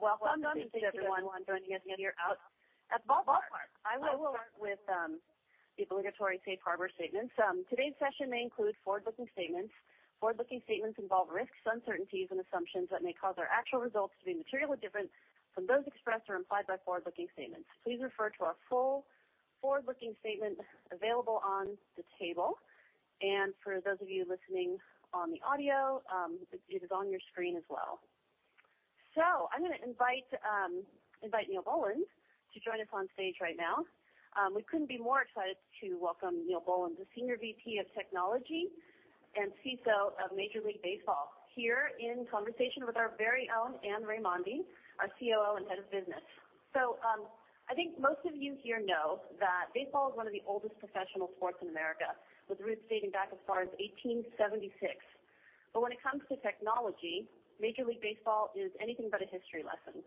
Welcome to everyone joining us here out at the ballpark. I will start with the obligatory safe harbor statement. Today's session may include forward-looking statements. Forward-looking statements involve risks, uncertainties, and assumptions that may cause our actual results to be materially different from those expressed or implied by forward-looking statements. Please refer to our full forward-looking statement available on the table, and for those of you listening on the audio, it is on your screen as well. I'm gonna invite Neil Boland to join us on stage right now. We couldn't be more excited to welcome Neil Boland, the Senior VP of Technology and CISO of Major League Baseball, here in conversation with our very own Anne Raimondi, our COO and Head of Business. I think most of you here know that baseball is one of the oldest professional sports in America, with roots dating back as far as 1876. When it comes to technology, Major League Baseball is anything but a history lesson.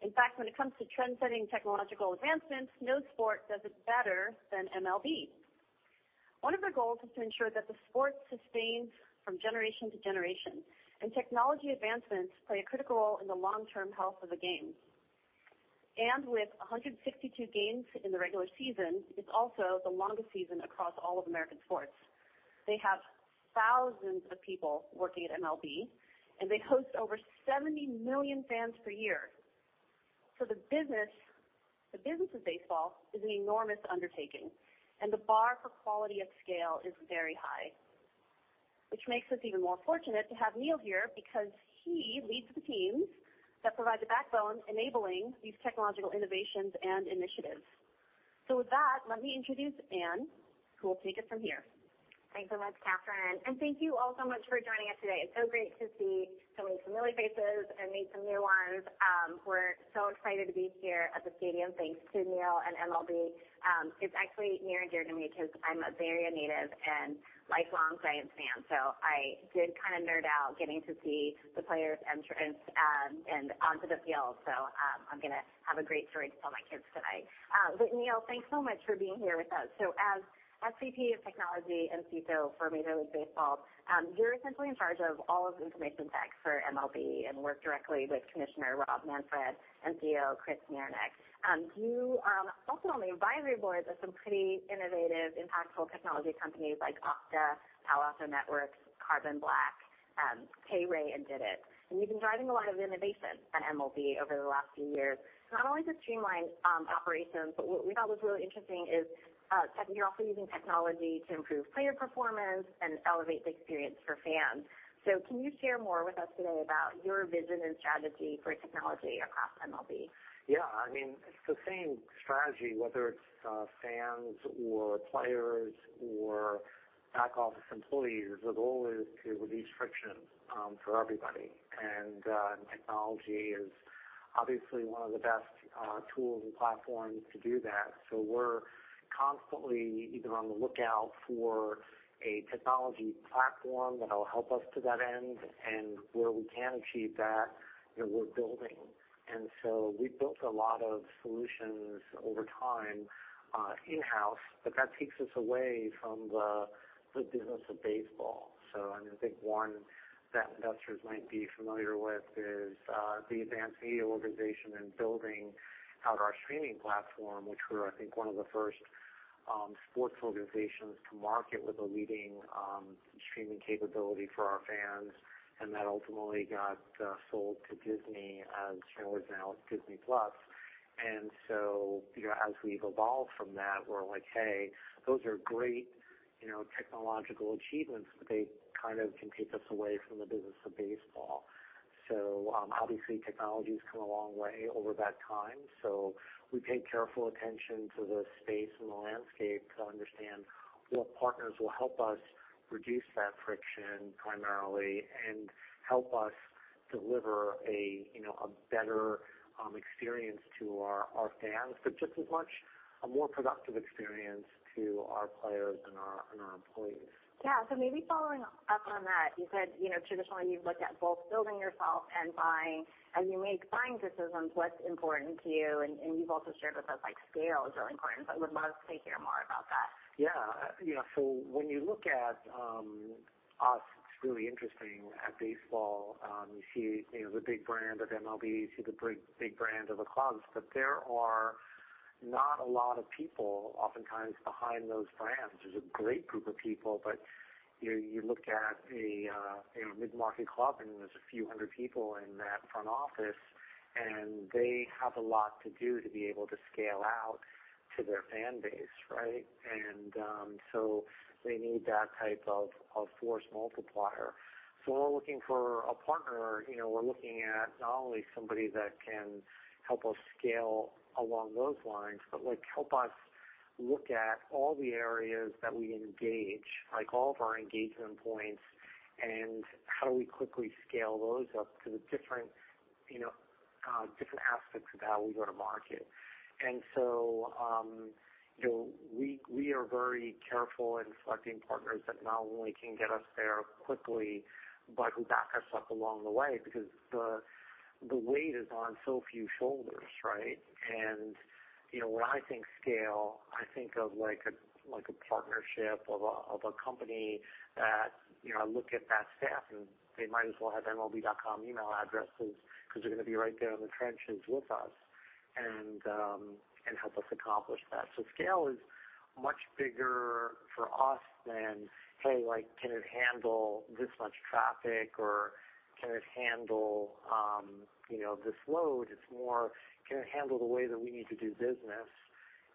In fact, when it comes to trendsetting technological advancements, no sport does it better than MLB. One of their goals is to ensure that the sport sustains from generation to generation, and technology advancements play a critical role in the long-term health of the game. With 162 games in the regular season, it's also the longest season across all of American sports. They have thousands of people working at MLB, and they host over 70 million fans per year. The business of baseball is an enormous undertaking, and the bar for quality at scale is very high, which makes us even more fortunate to have Neil here because he leads the teams that provide the backbone enabling these technological innovations and initiatives. With that, let me introduce Anne, who will take it from here. Thanks so much, Catherine, and thank you all so much for joining us today. It's so great to see so many familiar faces and meet some new ones. We're so excited to be here at the stadium, thanks to Neil and MLB. It's actually near and dear to me because I'm a Bay Area native and lifelong Giants fan, so I did kind of nerd out getting to see the players' entrance and onto the field. I'm gonna have a great story to tell my kids tonight. Neil, thanks so much for being here with us. As SVP of Technology and CISO for Major League Baseball, you're essentially in charge of all of the information tech for MLB and work directly with Commissioner Rob Manfred and CEO Chris Marinak. You are also on the advisory boards of some pretty innovative, impactful technology companies like Okta, Palo Alto Networks, Carbon Black, PayRay, and Didit. You've been driving a lot of innovation at MLB over the last few years, not only to streamline operations, but what we thought was really interesting is that you're also using technology to improve player performance and elevate the experience for fans. Can you share more with us today about your vision and strategy for technology across MLB? Yeah. I mean, it's the same strategy, whether it's fans or players or back office employees. The goal is to reduce friction for everybody. Technology is obviously one of the best tools and platforms to do that. We're constantly either on the lookout for a technology platform that'll help us to that end, and where we can achieve that, you know, we're building. We've built a lot of solutions over time in-house, but that takes us away from the business of baseball. I mean, I think one that investors might be familiar with is the MLB Advanced Media and building out our streaming platform, which we're, I think, one of the first sports organizations to market with a leading streaming capability for our fans. That ultimately got sold to Disney. BamTech is now Disney+. You know, as we've evolved from that, we're like, Hey, those are great, you know, technological achievements, but they kind of can take us away from the business of baseball. Obviously technology's come a long way over that time, so we pay careful attention to the space and the landscape to understand what partners will help us reduce that friction primarily and help us deliver a, you know, a better experience to our fans, but just as much a more productive experience to our players and our employees. Yeah. Maybe following up on that, you said, you know, traditionally you've looked at both building yourself and buying, as you make buying decisions, what's important to you, and you've also shared with us, like scale is really important, but would love to hear more about that. Yeah. You know, when you look at us, it's really interesting. At baseball, you see, you know, the big brand of MLB, you see the big brand of the clubs, but there are not a lot of people oftentimes behind those brands. There's a great group of people, but, you know, you look at a mid-market club, and there's a few hundred people in that front office, and they have a lot to do to be able to scale out to their fan base, right? They need that type of force multiplier. When we're looking for a partner, you know, we're looking at not only somebody that can help us scale along those lines, but like help us look at all the areas that we engage, like all of our engagement points, and how do we quickly scale those up to the different, you know, different aspects of how we go to market. We are very careful in selecting partners that not only can get us there quickly, but who back us up along the way because the weight is on so few shoulders, right? You know, when I think of scale, I think of like a partnership of a company that, you know, I look at that staff and they might as well have MLB.com email addresses 'cause they're gonna be right there in the trenches with us and help us accomplish that. Scale is much bigger for us than, hey, like, can it handle this much traffic or can it handle, you know, this load? It's more can it handle the way that we need to do business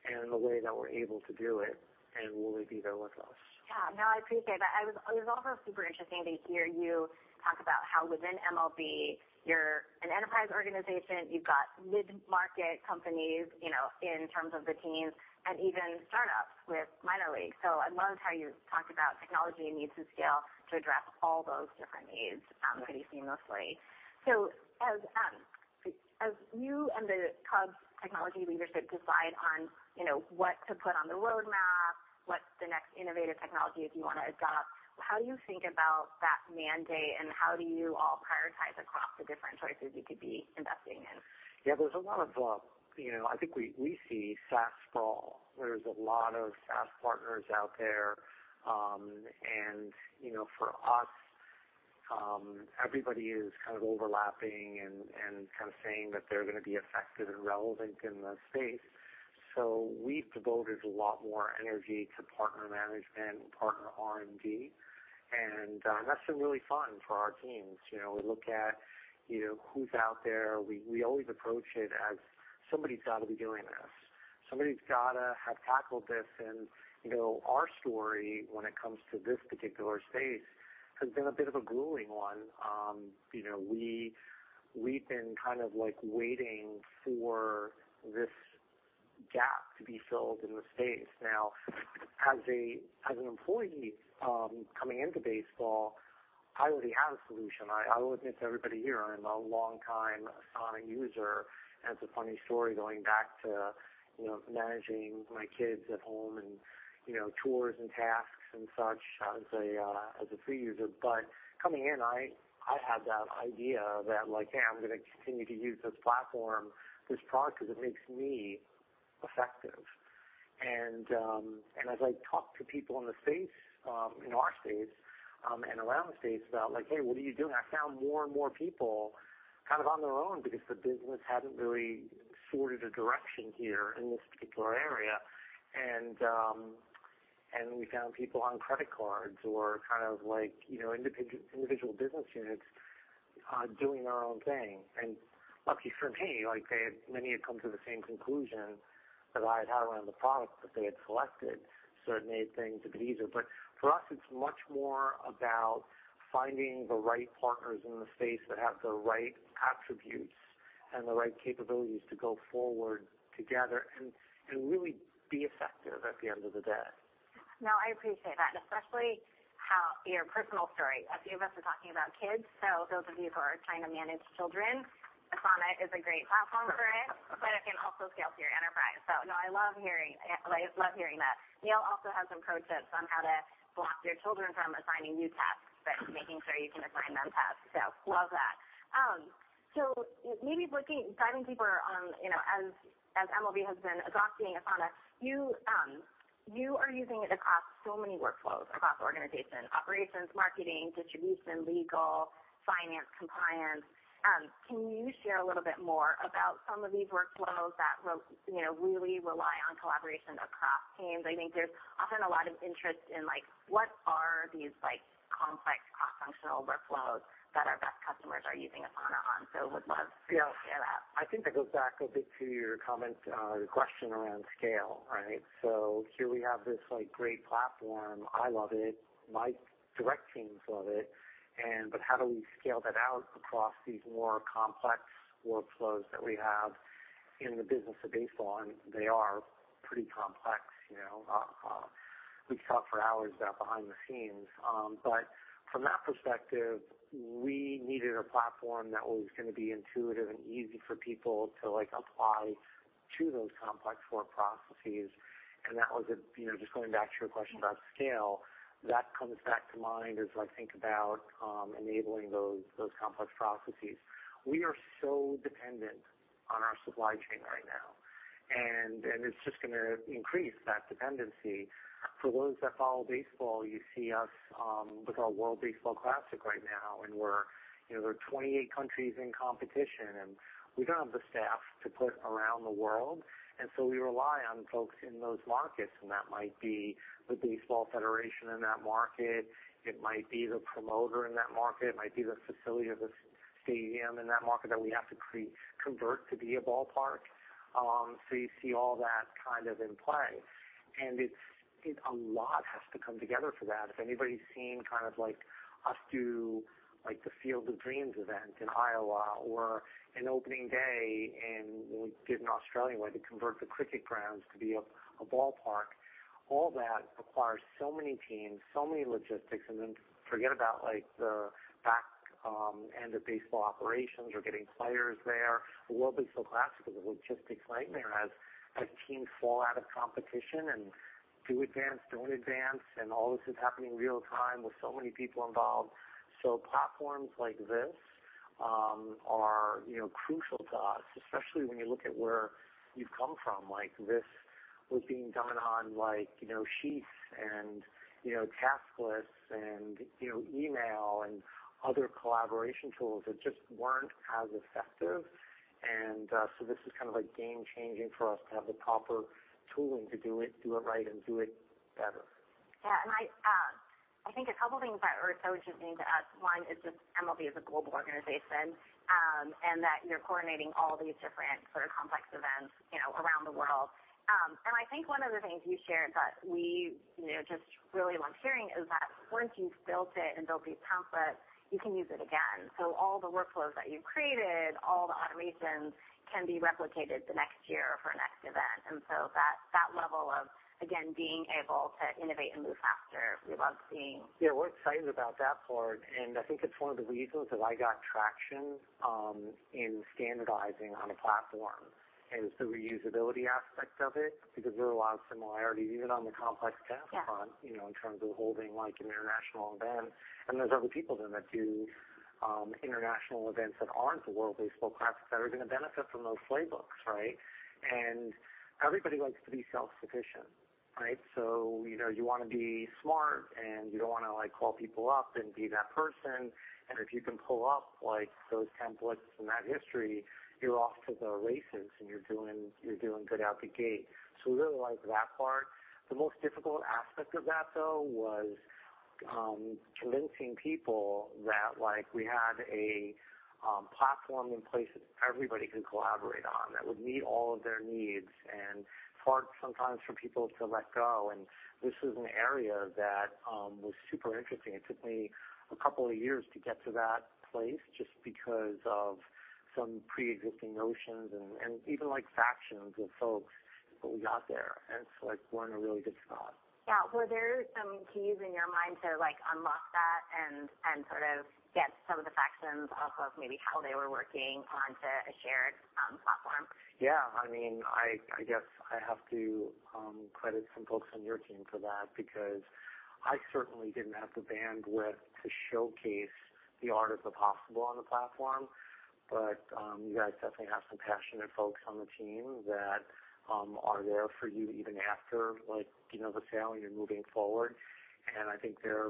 and the way that we're able to do it, and will it be there with us? Yeah. No, I appreciate that. It was also super interesting to hear you talk about how within MLB you're an enterprise organization. You've got mid-market companies, you know, in terms of the teams, and even startups with Minor League. I loved how you talked about technology needs and scale to address all those different needs pretty seamlessly. As you and the Cubs technology leadership decide on, you know, what to put on the roadmap, what's the next innovative technology that you wanna adopt, how do you think about that mandate, and how do you all prioritize across the different choices you could be investing in? Yeah, there's a lot of, you know. I think we see SaaS sprawl. There's a lot of SaaS partners out there, and, you know, for us, everybody is kind of overlapping and kind of saying that they're gonna be effective and relevant in the space. We've devoted a lot more energy to partner management and partner R&D, and that's been really fun for our teams. You know, we look at, you know, who's out there. We always approach it as somebody's gotta be doing this. Somebody's gotta have tackled this. You know, our story when it comes to this particular space has been a bit of a grueling one. You know, we've been kind of like waiting for this gap to be filled in the space. Now, as an employee coming into baseball, I already had a solution. I will admit to everybody here, I'm a longtime Asana user, and it's a funny story going back to, you know, managing my kids at home and, you know, chores and tasks and such as a free user. Coming in, I had that idea that like, Hey, I'm gonna continue to use this platform, this product, 'cause it makes me effective. As I talk to people in the space, in our space, and around the space about like, Hey, what are you doing? I found more and more people kind of on their own because the business hadn't really sorted a direction here in this particular area. We found people on credit cards or kind of like, you know, individual business units doing their own thing. Lucky for me, like, many had come to the same conclusion that I had around the product that they had selected, so it made things a bit easier. For us it's much more about finding the right partners in the space that have the right attributes and the right capabilities to go forward together and really be effective at the end of the day. No, I appreciate that, and especially how your personal story. A few of us are talking about kids, so those of you who are trying to manage children, Asana is a great platform for it. But it can also scale to your enterprise. No, I love hearing that. Neil also has some pro tips on how to block your children from assigning you tasks, but making sure you can assign them tasks. Love that. Maybe diving deeper on, you know, as MLB has been adopting Asana, you are using it across so many workflows across the organization, operations, marketing, distribution, legal, finance, compliance. Can you share a little bit more about some of these workflows that you know, really rely on collaboration across teams? I think there's often a lot of interest in, like, what are these, like, complex cross-functional workflows that our best customers are using Asana on? Would love for you to share that. Yeah. I think that goes back a bit to your comment, or your question around scale, right? Here we have this like great platform. I love it. My direct teams love it. But how do we scale that out across these more complex workflows that we have in the business of baseball? They are pretty complex, you know. We talk for hours about behind the scenes. But from that perspective, we needed a platform that was gonna be intuitive and easy for people to, like, apply to those complex work processes. That was a, you know, just going back to your question about scale, that comes back to mind as I think about enabling those complex processes. We are so dependent on our supply chain right now, and it's just gonna increase that dependency. For those that follow baseball, you see us with our World Baseball Classic right now, you know, there are 28 countries in competition, and we don't have the staff to put around the world. We rely on folks in those markets, and that might be the baseball federation in that market. It might be the promoter in that market. It might be the facility of the stadium in that market that we have to convert to be a ballpark. You see all that kind of in play. It's a lot has to come together for that. If anybody's seen kind of like us do like the Field of Dreams event in Iowa or an opening day in, like, in Australia, where they convert the cricket grounds to be a ballpark, all that requires so many teams, so many logistics. Forget about like the back end of baseball operations or getting players there. The World Baseball Classic is a logistics nightmare as teams fall out of competition and do advance, don't advance, and all this is happening real time with so many people involved. Platforms like this are, you know, crucial to us, especially when you look at where you've come from. Like this was being done on like, you know, sheets and, you know, task lists and, you know, email and other collaboration tools that just weren't as effective. This is kind of, like, game changing for us to have the proper tooling to do it right, and do it better. Yeah. I think a couple things that Neil Boland just need to add. One is just MLB is a global organization, and that you're coordinating all these different sort of complex events, you know, around the world. I think one of the things you shared that we, you know, just really loved hearing is that once you've built it and built these templates, you can use it again. All the workflows that you've created, all the automations can be replicated the next year for a next event. That level of, again, being able to innovate and move faster, we love seeing. Yeah, we're excited about that part. I think it's one of the reasons that I got traction in standardizing on a platform is the reusability aspect of it, because there are a lot of similarities even on the complex task front. Yeah. You know, in terms of holding like an international event. There's other people that do international events that aren't the World Baseball Classic that are gonna benefit from those playbooks, right? Everybody likes to be self-sufficient, right? You know, you wanna be smart, and you don't wanna, like, call people up and be that person. If you can pull up, like, those templates from that history, you're off to the races and you're doing good out the gate. We really like that part. The most difficult aspect of that, though, was convincing people that, like, we had a platform in place that everybody could collaborate on that would meet all of their needs, and it's hard sometimes for people to let go. This is an area that was super interesting. It took me a couple of years to get to that place just because of some preexisting notions and even like factions with folks, but we got there, and it's, like, been a really good spot. Yeah. Were there some keys in your mind to, like, unlock that and sort of get some of the factions off of maybe how they were working onto a shared platform? Yeah. I mean, I guess I have to credit some folks on your team for that because I certainly didn't have the bandwidth to showcase the art of the possible on the platform. You guys definitely have some passionate folks on the team that are there for you even after, like, you know, the sale and you're moving forward. I think they're,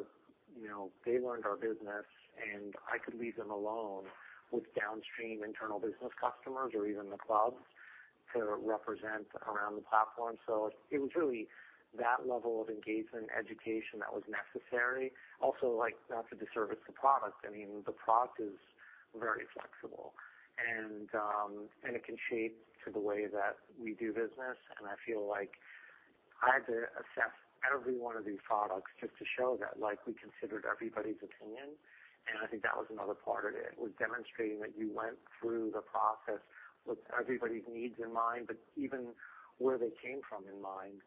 you know, they learned our business and I could leave them alone with downstream internal business customers or even the clubs to represent around the platform. It was really that level of engagement education that was necessary. Also, like, not to disservice the product. I mean, the product is very flexible and it can shape to the way that we do business. I feel like I had to assess every one of these products just to show that, like, we considered everybody's opinion. I think that was another part of it, was demonstrating that you went through the process with everybody's needs in mind, but even where they came from in mind.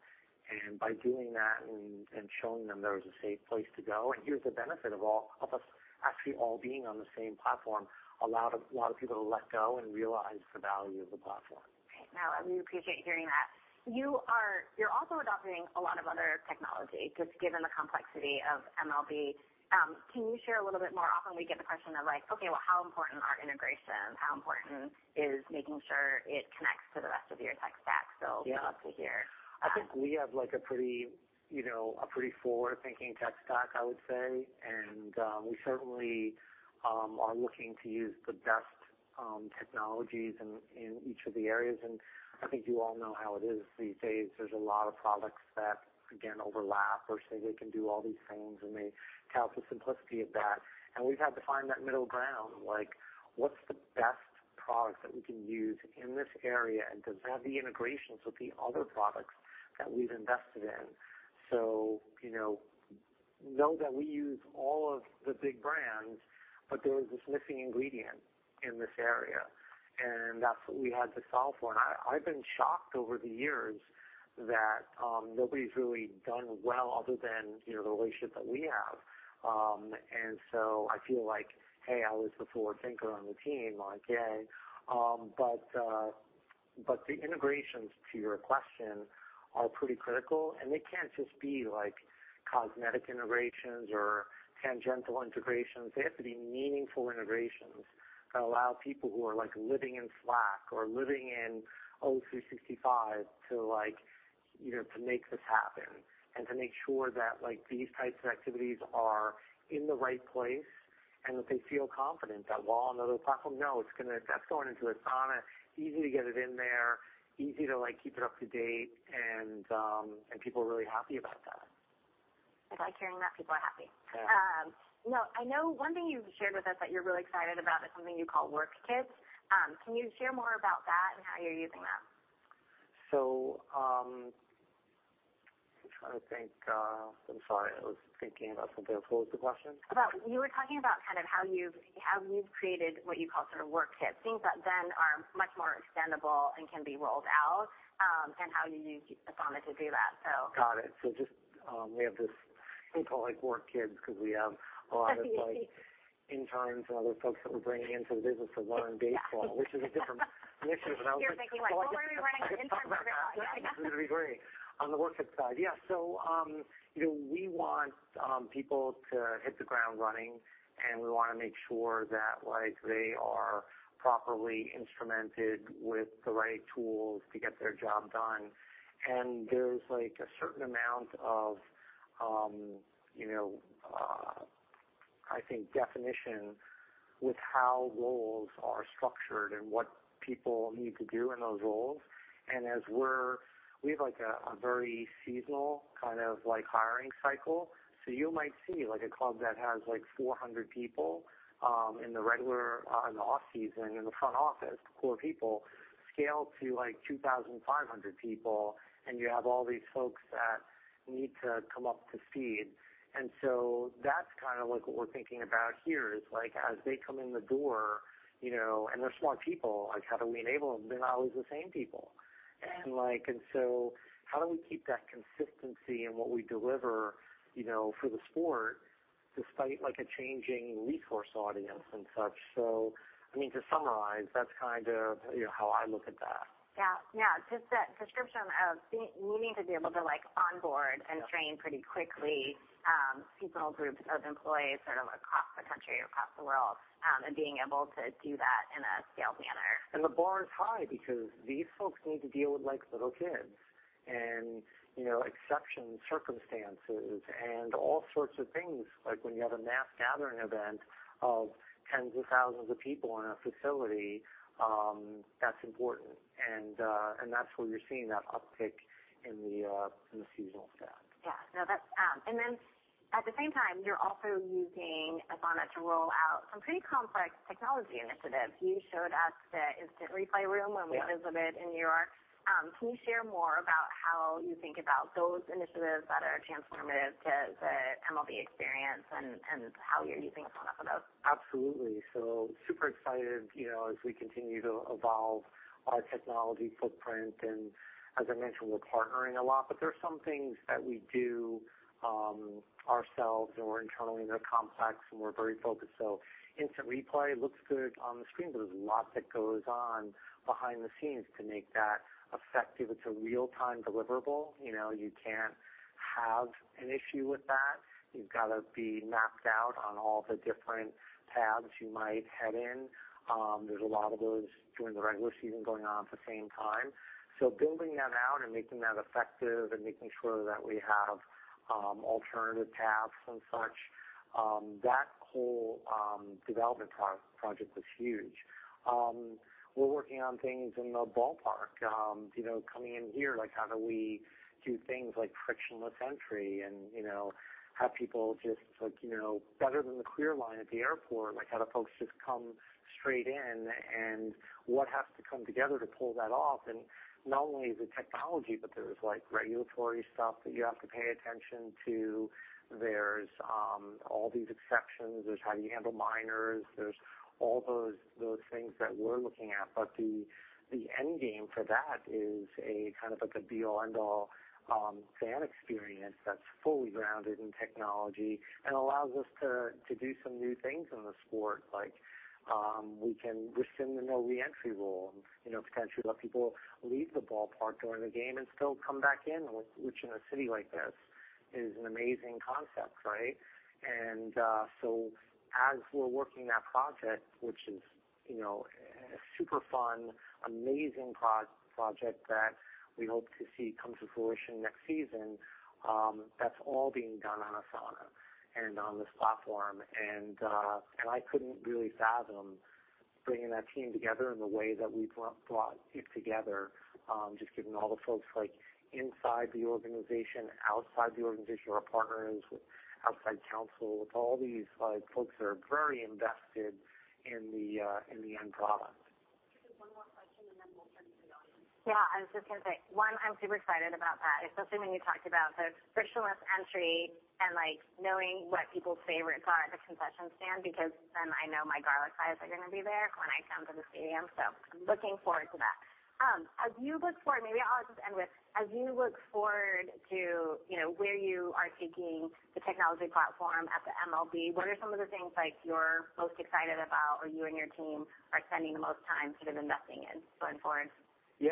By doing that and showing them there was a safe place to go. Here's the benefit of all of us actually all being on the same platform, allowed a lot of people to let go and realize the value of the platform. Great. No, we appreciate hearing that. You're also adopting a lot of other technology, just given the complexity of MLB. Can you share a little bit more? Often we get the question of like, okay, well how important are integrations? How important is making sure it connects to the rest of your tech stack? Yeah. We'd love to hear. I think we have, like, a pretty, you know, forward-thinking tech stack, I would say. We certainly are looking to use the best technologies in each of the areas. I think you all know how it is these days. There's a lot of products that, again, overlap or say they can do all these things, and they tout the simplicity of that. We've had to find that middle ground, like, what's the best products that we can use in this area, and does it have the integrations with the other products that we've invested in? You know that we use all of the big brands, but there was this missing ingredient in this area, and that's what we had to solve for. I've been shocked over the years that nobody's really done well other than, you know, the relationship that we have. I feel like, hey, I was the forward thinker on the team, like, yay. The integrations, to your question, are pretty critical, and they can't just be like cosmetic integrations or tangential integrations. They have to be meaningful integrations that allow people who are like living in Slack or living in Office 365 to like, you know, to make this happen and to make sure that like these types of activities are in the right place and that they feel confident that, well, on the other platform, no, it's gonna, that's going into Asana. Easy to get it in there, easy to like keep it up to date and people are really happy about that. I like hearing that people are happy. Yeah. Now I know one thing you've shared with us that you're really excited about is something you call work kits. Can you share more about that and how you're using them? I'm trying to think. I'm sorry, I was thinking about something. What was the question? You were talking about kind of how you've created what you call sort of work kits, things that then are much more extendable and can be rolled out, and how you use Asana to do that, so. Got it. Just, we have this, we call like work kits because we have a lot of like interns and other folks that we're bringing into the business to learn baseball- Yeah. which is a different mixture than I would You're thinking like, well, where are we running interns for real? Yeah. It's gonna be great. On the workload side, yeah. You know, we want people to hit the ground running, and we wanna make sure that like they are properly instrumented with the right tools to get their job done. There's like a certain amount of you know I think definition with how roles are structured and what people need to do in those roles. We have like a very seasonal kind of like hiring cycle. You might see like a club that has like 400 people in the regular in the off-season in the front office 400 people scale to like 2,500 people, and you have all these folks that need to come up to speed. That's kind of like what we're thinking about here is like as they come in the door, you know, and they're smart people, like how do we enable them? They're not always the same people. Like, and so how do we keep that consistency in what we deliver, you know, for the sport despite like a changing resource audience and such? I mean, to summarize, that's kind of, you know, how I look at that. Yeah. Yeah, just that description of needing to be able to like onboard and train pretty quickly, seasonal groups of employees sort of across the country or across the world, and being able to do that in a scaled manner. The bar is high because these folks need to deal with like little kids and, you know, exception circumstances and all sorts of things like when you have a mass gathering event of tens of thousands of people in a facility, that's important. That's where you're seeing that uptick in the seasonal staff. Yeah. No. At the same time, you're also using Asana to roll out some pretty complex technology initiatives. You showed us the instant replay room when we visited in New York. Can you share more about how you think about those initiatives that are transformative to the MLB experience and how you're using Asana for those? Absolutely. Super excited, you know, as we continue to evolve our technology footprint, and as I mentioned, we're partnering a lot. There are some things that we do ourselves or internally that are complex, and we're very focused. Instant replay looks good on the screen, but there's lots that goes on behind the scenes to make that effective. It's a real-time deliverable. You know, you can't have an issue with that. You've gotta be mapped out on all the different paths you might head in. There's a lot of those during the regular season going on at the same time. Building that out and making that effective and making sure that we have alternative paths and such, that whole development pro-project was huge. We're working on things in the ballpark, you know, coming in here, like how do we do things like frictionless entry and, you know, have people just like, you know, better than the Clear line at the airport, like how do folks just come straight in, and what has to come together to pull that off? Not only is it technology, but there's like regulatory stuff that you have to pay attention to. There's all these exceptions. There's how do you handle minors. There's all those things that we're looking at. The end game for that is a kind of like the be all and end all fan experience that's fully grounded in technology and allows us to do some new things in the sport, like we can rescind the no reentry rule and you know potentially let people leave the ballpark during the game and still come back in, which in a city like this is an amazing concept, right? So as we're working that project, which is you know super fun, amazing pro-project that we hope to see come to fruition next season, that's all being done on Asana and on this platform. I couldn't really fathom bringing that team together in the way that we brought it together, just getting all the folks like inside the organization, outside the organization, our partners with outside counsel, with all these like folks that are very invested in the end product. Just one more question, and then we'll turn to the audience. Yeah. I was just gonna say, one, I'm super excited about that, especially when you talked about the frictionless entry and like knowing what people's favorites are at the concession stand because then I know my garlic fries are gonna be there when I come to the stadium. I'm looking forward to that. As you look forward to, you know, where you are taking the technology platform at the MLB, what are some of the things like you're most excited about or you and your team are spending the most time sort of investing in going forward? Yeah.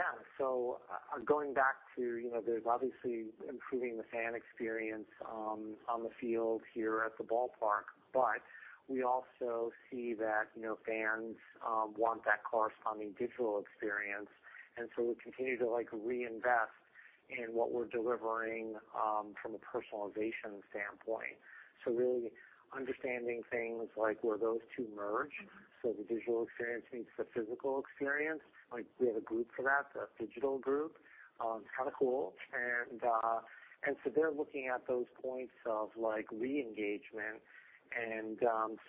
Going back to, you know, there's obviously improving the fan experience on the field here at the ballpark, but we also see that, you know, fans want that corresponding digital experience. We continue to like reinvest in what we're delivering from a personalization standpoint. Really understanding things like where those two merge, so the digital experience meets the physical experience. Like, we have a group for that, the digital group. It's kind of cool. They're looking at those points of like re-engagement.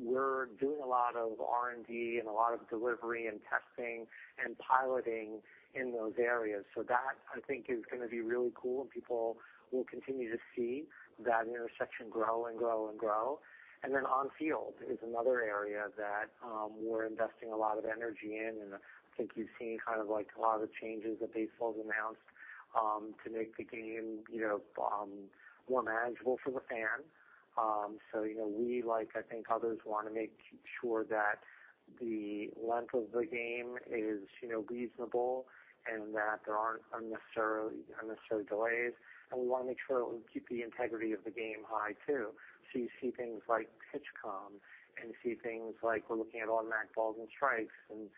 We're doing a lot of R&D and a lot of delivery and testing and piloting in those areas. That I think is gonna be really cool, and people will continue to see that intersection grow and grow and grow. On field is another area that we're investing a lot of energy in, and I think you've seen kind of like a lot of the changes that baseball's announced to make the game, you know, more manageable for the fan. You know, we like I think others wanna make sure that the length of the game is, you know, reasonable and that there aren't unnecessary delays. We wanna make sure that we keep the integrity of the game high too. You see things like PitchCom, and you see things like we're looking at automatic balls and strikes, and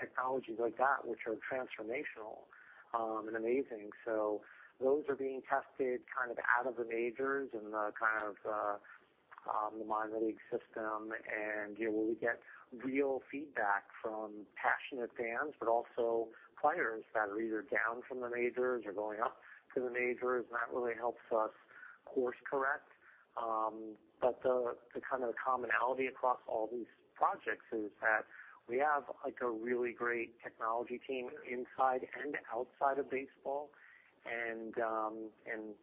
technologies like that which are transformational and amazing. Those are being tested kind of in the majors and the Minor League system. You know, we get real feedback from passionate fans, but also players that are either down from the majors or going up to the majors, and that really helps us course correct. The kind of commonality across all these projects is that we have, like, a really great technology team inside and outside of baseball.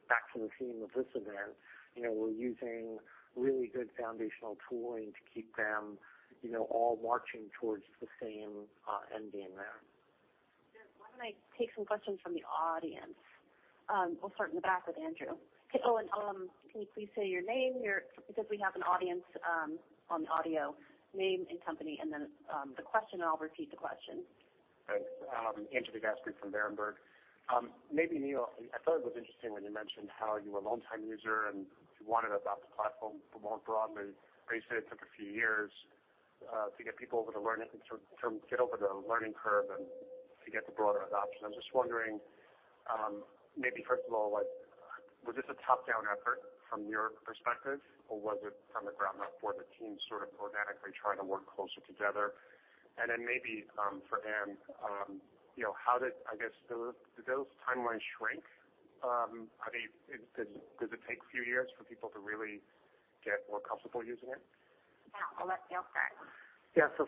Back to the theme of this event, you know, we're using really good foundational tooling to keep them, you know, all marching towards the same end game there. Why don't I take some questions from the audience? We'll start in the back with Andrew. Okay. Oh, and can you please say your name because we have an audience on the audio. Name and company, and then the question, and I'll repeat the question. Thanks. Andrew DeGasperi from Berenberg. Maybe, Neil Boland, I thought it was interesting when you mentioned how you're a longtime user and you wanted to adopt the platform more broadly. You said it took a few years to get people to learn it and sort of get over the learning curve and to get the broader adoption. I was just wondering, maybe first of all, like was this a top-down effort from your perspective, or was it from the ground up, where the team sort of organically tried to work closer together? Then maybe, for Anne Raimondi, you know, I guess, do those timelines shrink? Does it take a few years for people to really get more comfortable using it? Yeah. I'll let Neil start.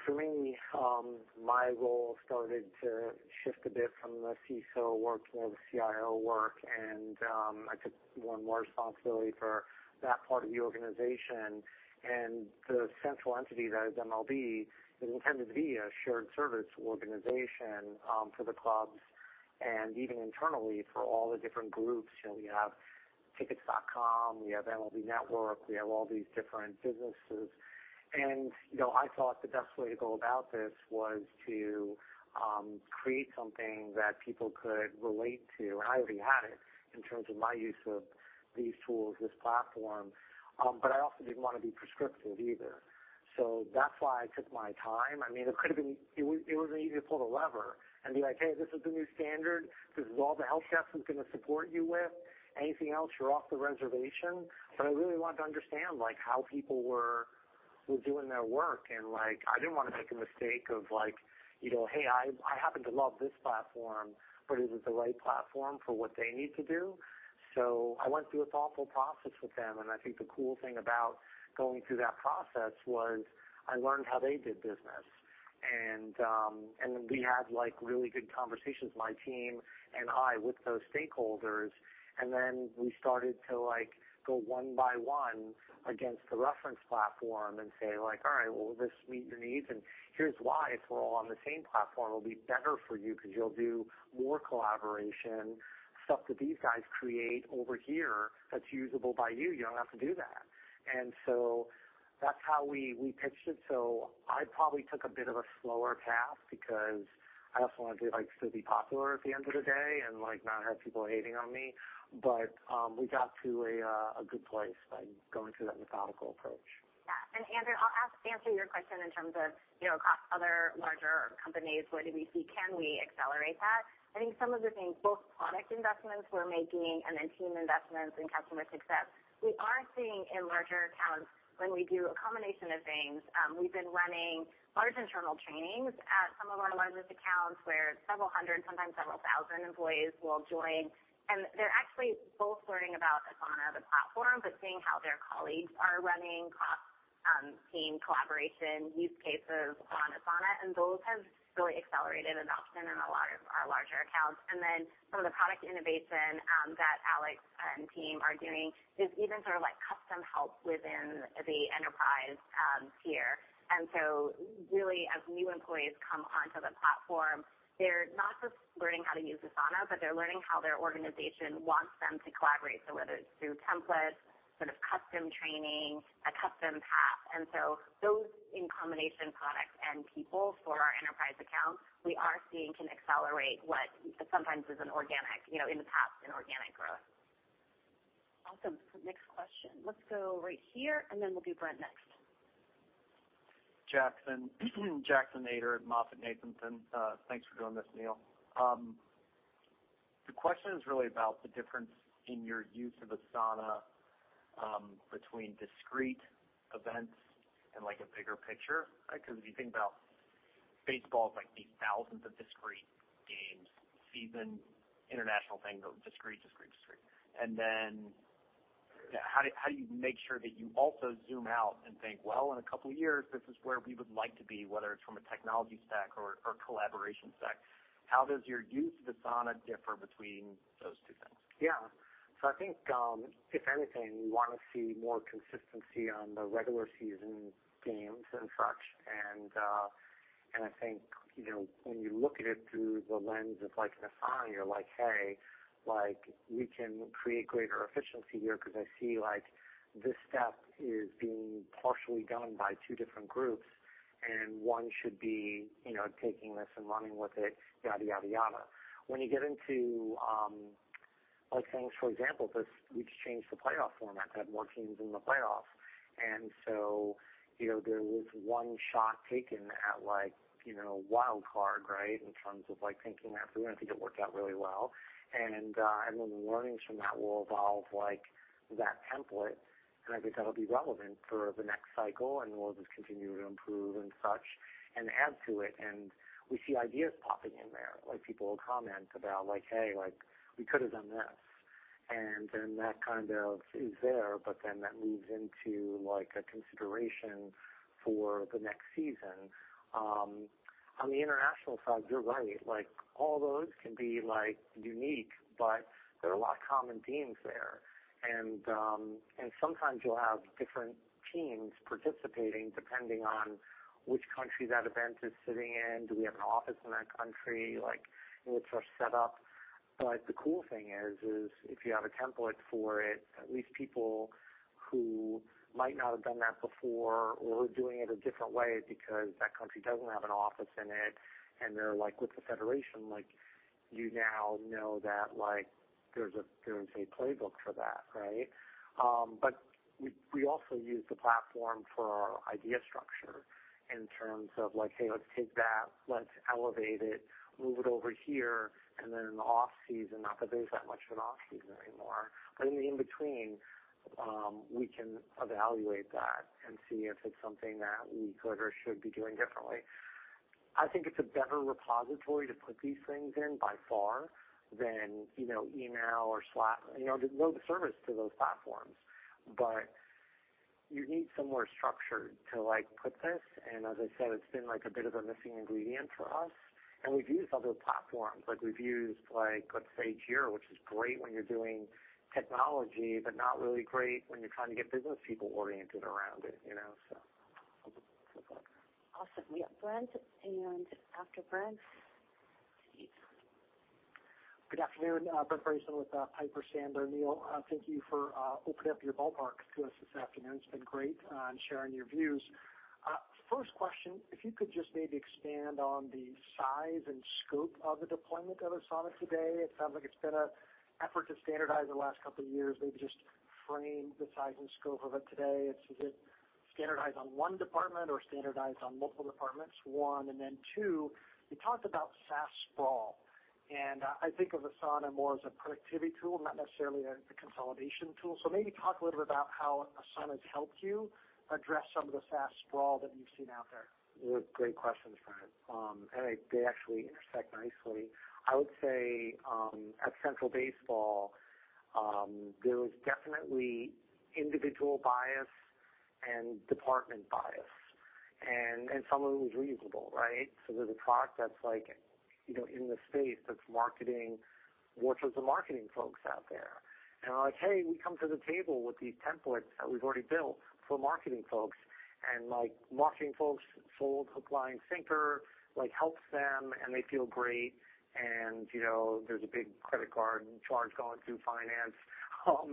For me, my role started to shift a bit from the CISO work more to CIO work, and I took more and more responsibility for that part of the organization. The central entity that is MLB is intended to be a shared service organization for the clubs, and even internally for all the different groups. You know, we have Tickets.com, we have MLB Network, we have all these different businesses. You know, I thought the best way to go about this was to create something that people could relate to. I already had it in terms of my use of these tools, this platform. But I also didn't wanna be prescriptive either. That's why I took my time. I mean, it could've been. It was easy to pull a lever and be like, Hey, this is the new standard. This is all the help desk is gonna support you with. Anything else, you're off the reservation. I really wanted to understand, like, how people were doing their work. Like, I didn't wanna make a mistake of like, you know, Hey, I happen to love this platform, but is it the right platform for what they need to do? I went through a thoughtful process with them, and I think the cool thing about going through that process was I learned how they did business. We had, like, really good conversations, my team and I, with those stakeholders. We started to, like, go one by one against the reference platform and say like, All right, well, will this meet your needs? And here's why, if we're all on the same platform, it'll be better for you because you'll do more collaboration. Stuff that these guys create over here that's usable by you don't have to do that. That's how we pitched it. I probably took a bit of a slower path because I also wanted to, like, still be popular at the end of the day and, like, not have people hating on me. We got to a good place by going through that methodical approach. Yeah. Andrew, I'll answer your question in terms of, you know, across other larger companies, where do we see can we accelerate that? I think some of the things, both product investments we're making and then team investments and customer success, we are seeing in larger accounts when we do a combination of things. We've been running large internal trainings at some of our largest accounts, where several hundred, sometimes several thousand employees will join. They're actually both learning about Asana, the platform, but seeing how their colleagues are running cross-team collaboration use cases on Asana. Those have really accelerated adoption in a lot of our larger accounts. Then some of the product innovation that Alex and team are doing is even sort of like custom help within the enterprise tier. Really, as new employees come onto the platform, they're not just learning how to use Asana, but they're learning how their organization wants them to collaborate, so whether it's through templates, sort of custom training, a custom path. Those in combination products and people for our enterprise accounts, we are seeing can accelerate what sometimes is an organic, you know, in the past, an organic growth. Awesome. Next question. Let's go right here, and then we'll do Brent next. Jackson Ader at MoffettNathanson. Thanks for doing this, Neil. The question is really about the difference in your use of Asana between discrete events and, like, a bigger picture, right? 'Cause if you think about baseball with, like, these thousands of discrete games, season, international thing, they're discrete. Then, you know, how do you make sure that you also zoom out and think, Well, in a couple years, this is where we would like to be, whether it's from a technology stack or collaboration stack? How does your use of Asana differ between those two things? Yeah. I think, if anything, we wanna see more consistency on the regular season games and such. I think, you know, when you look at it through the lens of like an Asana, you're like, Hey, like, we can create greater efficiency here 'cause I see like this step is being partially done by two different groups, and one should be, you know, taking this and running with it, yada, yada. When you get into like things, for example, this. We've changed the playoff format to have more teams in the playoffs. You know, there was one shot taken at like, you know, wild card, right? In terms of like thinking that through. I think it worked out really well. The learnings from that will evolve like that template, and I think that'll be relevant for the next cycle, and we'll just continue to improve and such and add to it. We see ideas popping in there, like people will comment about like, Hey, like, we could have done this. That kind of is there, but then that moves into like a consideration for the next season. On the international side, you're right. Like, all those can be like unique, but there are a lot of common themes there. Sometimes you'll have different teams participating depending on which country that event is sitting in. Do we have an office in that country? Like, what's our set up? The cool thing is if you have a template for it, at least people who might not have done that before or doing it a different way because that country doesn't have an office in it and they're like with the federation, like you now know that like there's a playbook for that, right? We also use the platform for our idea structure in terms of like, Hey, let's take that. Let's elevate it, move it over here. Then in the off-season, not that there's that much of an off-season anymore, but in the in-between, we can evaluate that and see if it's something that we could or should be doing differently. I think it's a better repository to put these things in by far than, you know, email or Slack. You know, no disservice to those platforms. You need somewhere structured to, like, put this. As I said, it's been like a bit of a missing ingredient for us. We've used other platforms, like we've used like, let's say Jira, which is great when you're doing technology, but not really great when you're trying to get business people oriented around it, you know, so. Awesome. We have Brent, and after Brent, Steve. Good afternoon. Brent Bracelin with Piper Sandler. Neil, thank you for opening up your ballpark to us this afternoon. It's been great in sharing your views. First question, if you could just maybe expand on the size and scope of the deployment of Asana today. It sounds like it's been an effort to standardize the last couple of years. Maybe just frame the size and scope of it today. Is it standardized on one department or standardized on multiple departments, one. And then two, you talked about SaaS sprawl, and I think of Asana more as a productivity tool, not necessarily a consolidation tool. Maybe talk a little bit about how Asana has helped you address some of the SaaS sprawl that you've seen out there. Great questions, Brent. They actually intersect nicely. I would say at MLB there was definitely individual bias and department bias and some of it was reasonable, right? There's a product that's like, you know, in the space that's marketing, works with the marketing folks out there. They're like, Hey, we come to the table with these templates that we've already built for marketing folks. Like, marketing folks sold hook, line, and sinker, like, helps them, and they feel great. You know, there's a big credit card charge going through finance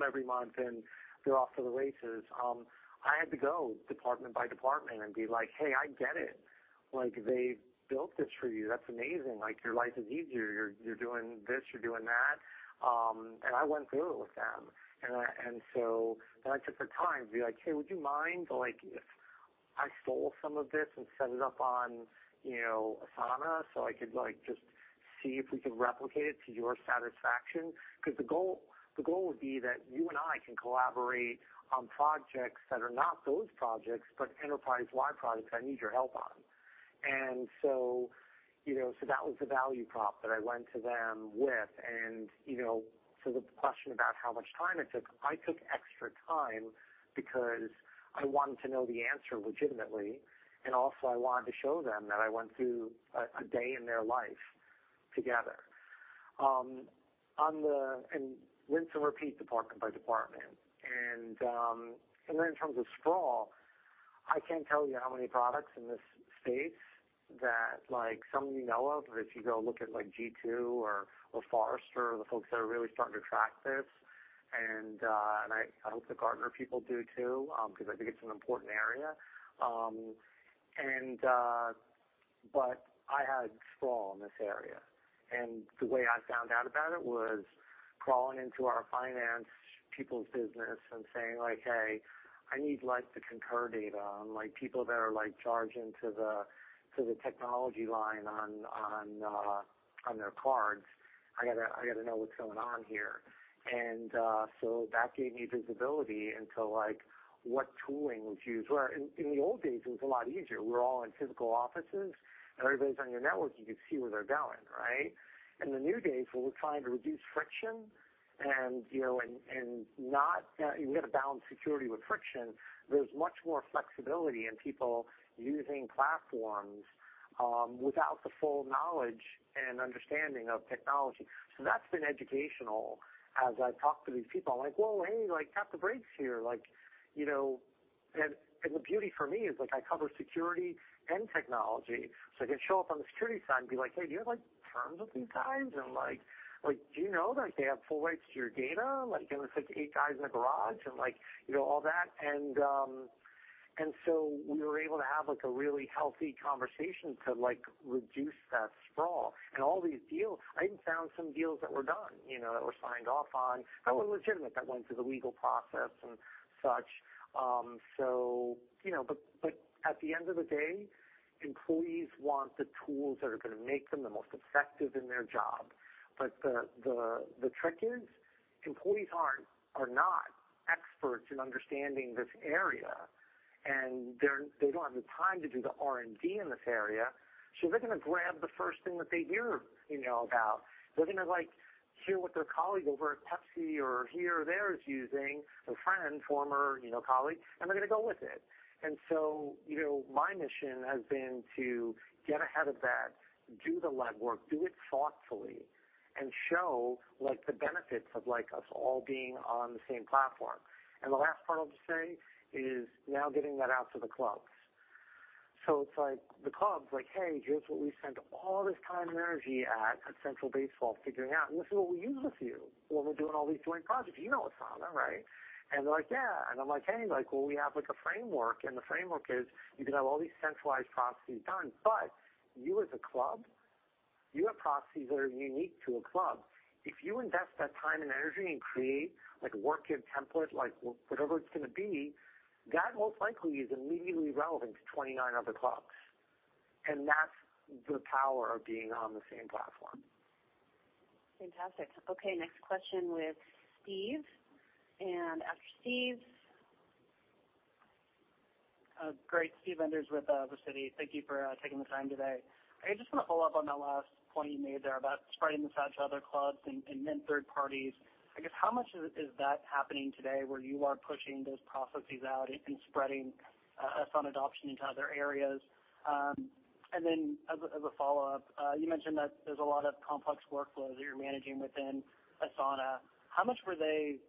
every month, and they're off to the races. I had to go department by department and be like, Hey, I get it. Like, they built this for you. That's amazing. Like, your life is easier. You're doing this. You're doing that. I went through it with them. I took the time to be like, Hey, would you mind if like, if I stole some of this and set it up on, you know, Asana, so I could like just see if we could replicate it to your satisfaction? 'Cause the goal would be that you and I can collaborate on projects that are not those projects, but enterprise-wide projects I need your help on. You know, so that was the value prop that I went to them with. You know, so the question about how much time it took, I took extra time because I wanted to know the answer legitimately, and also I wanted to show them that I went through a day in their life together. On the rinse and repeat department by department. Then in terms of sprawl, I can't tell you how many products in this space that like some of you know of, but if you go look at like G2 or Forrester, or the folks that are really starting to track this, and I hope the Gartner people do too, 'cause I think it's an important area. I had sprawl in this area. The way I found out about it was crawling into our finance people's business and saying like, Hey, I need like the Concur data on like people that are like charging to the technology line on their cards. I gotta know what's going on here. So that gave me visibility into like what tooling was used. Where in the old days, it was a lot easier. We're all in physical offices, and everybody's on your network. You could see where they're going, right? In the new days, where we're trying to reduce friction and, you know, you gotta balance security with friction. There's much more flexibility in people using platforms without the full knowledge and understanding of technology. So that's been educational as I've talked to these people. I'm like, Whoa, hey, like, tap the brakes here. The beauty for me is like I cover security and technology, so I can show up on the security side and be like, Hey, do you have like terms with these guys? like, Do you know, like they have full rights to your data? Like, you know, it's like eight guys in a garage, and like, you know, all that. We were able to have like a really healthy conversation to like reduce that sprawl. All these deals. I even found some deals that were done, you know, that were signed off on, that were legitimate, that went through the legal process and such. You know, but at the end of the day, employees want the tools that are gonna make them the most effective in their job. The trick is employees are not experts in understanding this area, and they don't have the time to do the R&D in this area, so they're gonna grab the first thing that they hear, you know, about. They're gonna, like, hear what their colleague over at Pepsi or here or there is using, a friend, former, you know, colleague, and they're gonna go with it. You know, my mission has been to get ahead of that, do the legwork, do it thoughtfully, and show like the benefits of like us all being on the same platform. The last part I'll just say is now getting that out to the clubs. It's like the clubs like, Hey, here's what we spent all this time and energy at MLB figuring out, and this is what we use with you when we're doing all these joint projects. You know Asana, right? They're like, Yeah. I'm like, Hey, like, well, we have like a framework, and the framework is you can have all these centralized processes done, but you as a club, you have processes that are unique to a club. If you invest that time and energy and create like a work kit template, like whatever it's gonna be, that most likely is immediately relevant to 29 other clubs. That's the power of being on the same platform. Fantastic. Okay, next question with Steve. After Steve. Great. Steve Enders with Citi. Thank you for taking the time today. I just wanna follow up on that last point you made there about spreading this out to other clubs and then third parties. I guess how much is that happening today where you are pushing those processes out and spreading Asana adoption into other areas? Then as a follow-up, you mentioned that there's a lot of complex workflows that you're managing within Asana. How much were they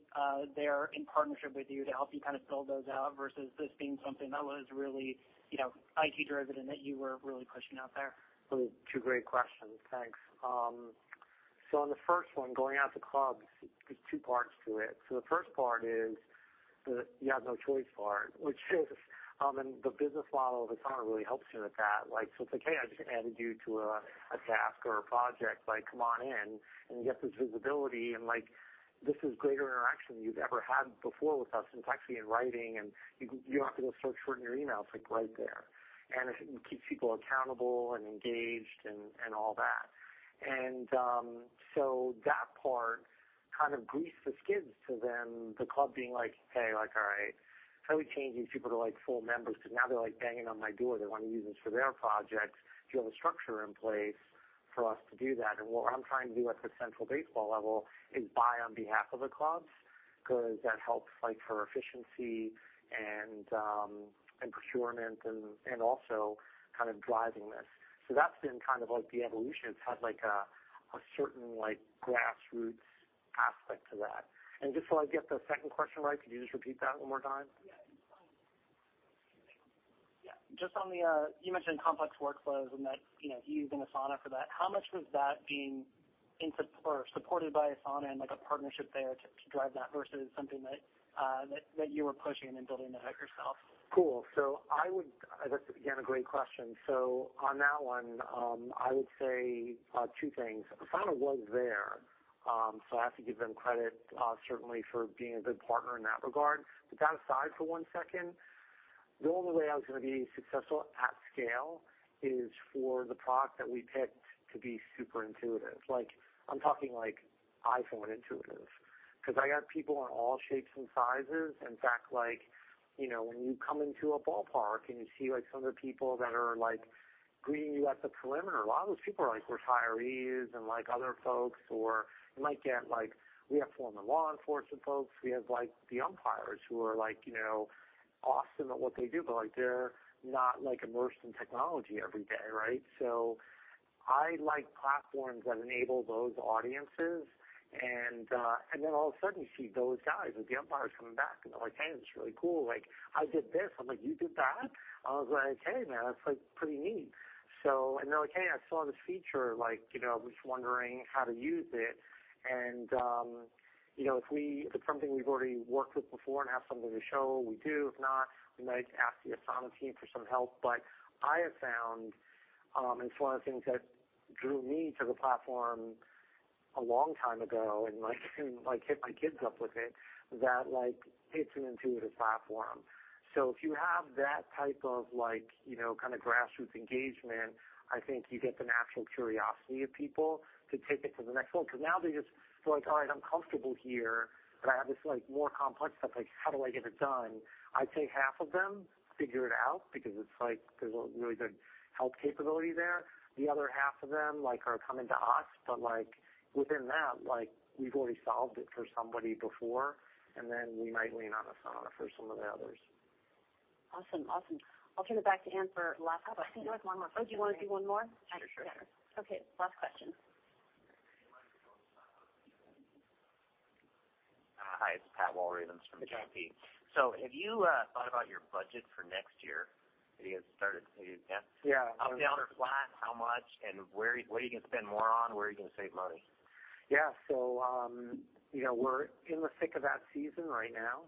there in partnership with you to help you kind of build those out versus this being something that was really, you know, IT driven and that you were really pushing out there? Those are two great questions. Thanks. On the first one, going out to clubs, there's two parts to it. The first part is the you have no choice part, which is, and the business model of Asana really helps you with that. Like, it's like, hey, I just added you to a task or a project, like come on in and get this visibility, and like this is greater interaction you've ever had before with us, and it's actually in writing and you don't have to go search for it in your email. It's like right there. It keeps people accountable and engaged and all that. That part kind of greased the skids to then the club being like, Hey, like, all right, so we changed these people to like full members 'cause now they're like banging on my door. They wanna use this for their projects, build a structure in place for us to do that. What I'm trying to do at the Major League Baseball level is buy on behalf of the clubs 'cause that helps like for efficiency and procurement and also kind of driving this. That's been kind of like the evolution. It's had like a certain like grassroots aspect to that. Just so I get the second question right, could you just repeat that one more time? Yeah. Just on the, you mentioned complex workflows and that, you know, you use Asana for that. How much was that being in support or supported by Asana and like a partnership there to drive that versus something that you were pushing and building out yourself? Cool. That's, again, a great question. On that one, I would say two things. Asana was there, so I have to give them credit certainly for being a good partner in that regard. Put that aside for one second. The only way I was gonna be successful at scale is for the product that we picked to be super intuitive. Like I'm talking like iPhone intuitive 'cause I got people in all shapes and sizes. In fact, like, you know, when you come into a ballpark and you see like some of the people that are like greeting you at the perimeter, a lot of those people are like retirees and like other folks or you might get like we have former law enforcement folks, we have like the umpires who are like, you know, awesome at what they do, but like they're not like immersed in technology every day, right? So I like platforms that enable those audiences and then all of a sudden you see those guys or the umpires coming back and they're like, Hey, this is really cool. Like, I did this. I'm like, You did that? I was like, Hey, man, that's like pretty neat. They're like, Hey, I saw this feature like, you know, I'm just wondering how to use it. You know, if it's something we've already worked with before and have something to show, we do. If not, we might ask the Asana team for some help. I have found, and it's one of the things that drew me to the platform a long time ago and like hit my kids up with it, that like it's an intuitive platform. If you have that type of like, you know, kind of grassroots engagement, I think you get the natural curiosity of people to take it to the next level. 'Cause now they just like, All right, I'm comfortable here, but I have this like more complex stuff, like how do I get it done? I'd say half of them figure it out because it's like there's a really good help capability there. The other half of them like are coming to us, but like within that, like we've already solved it for somebody before, and then we might lean on Asana for some of the others. Awesome. I'll turn it back to Anne for last question. I think there's one more question. Oh, do you wanna do one more? Sure. Okay, last question. Hi, it's Pat Walravens from JMP. Hey, Pat. Have you thought about your budget for next year? Have you guys started to do that? Yeah. Up, down, or flat? How much and where, what are you gonna spend more on? Where are you gonna save money? Yeah. You know, we're in the thick of that season right now.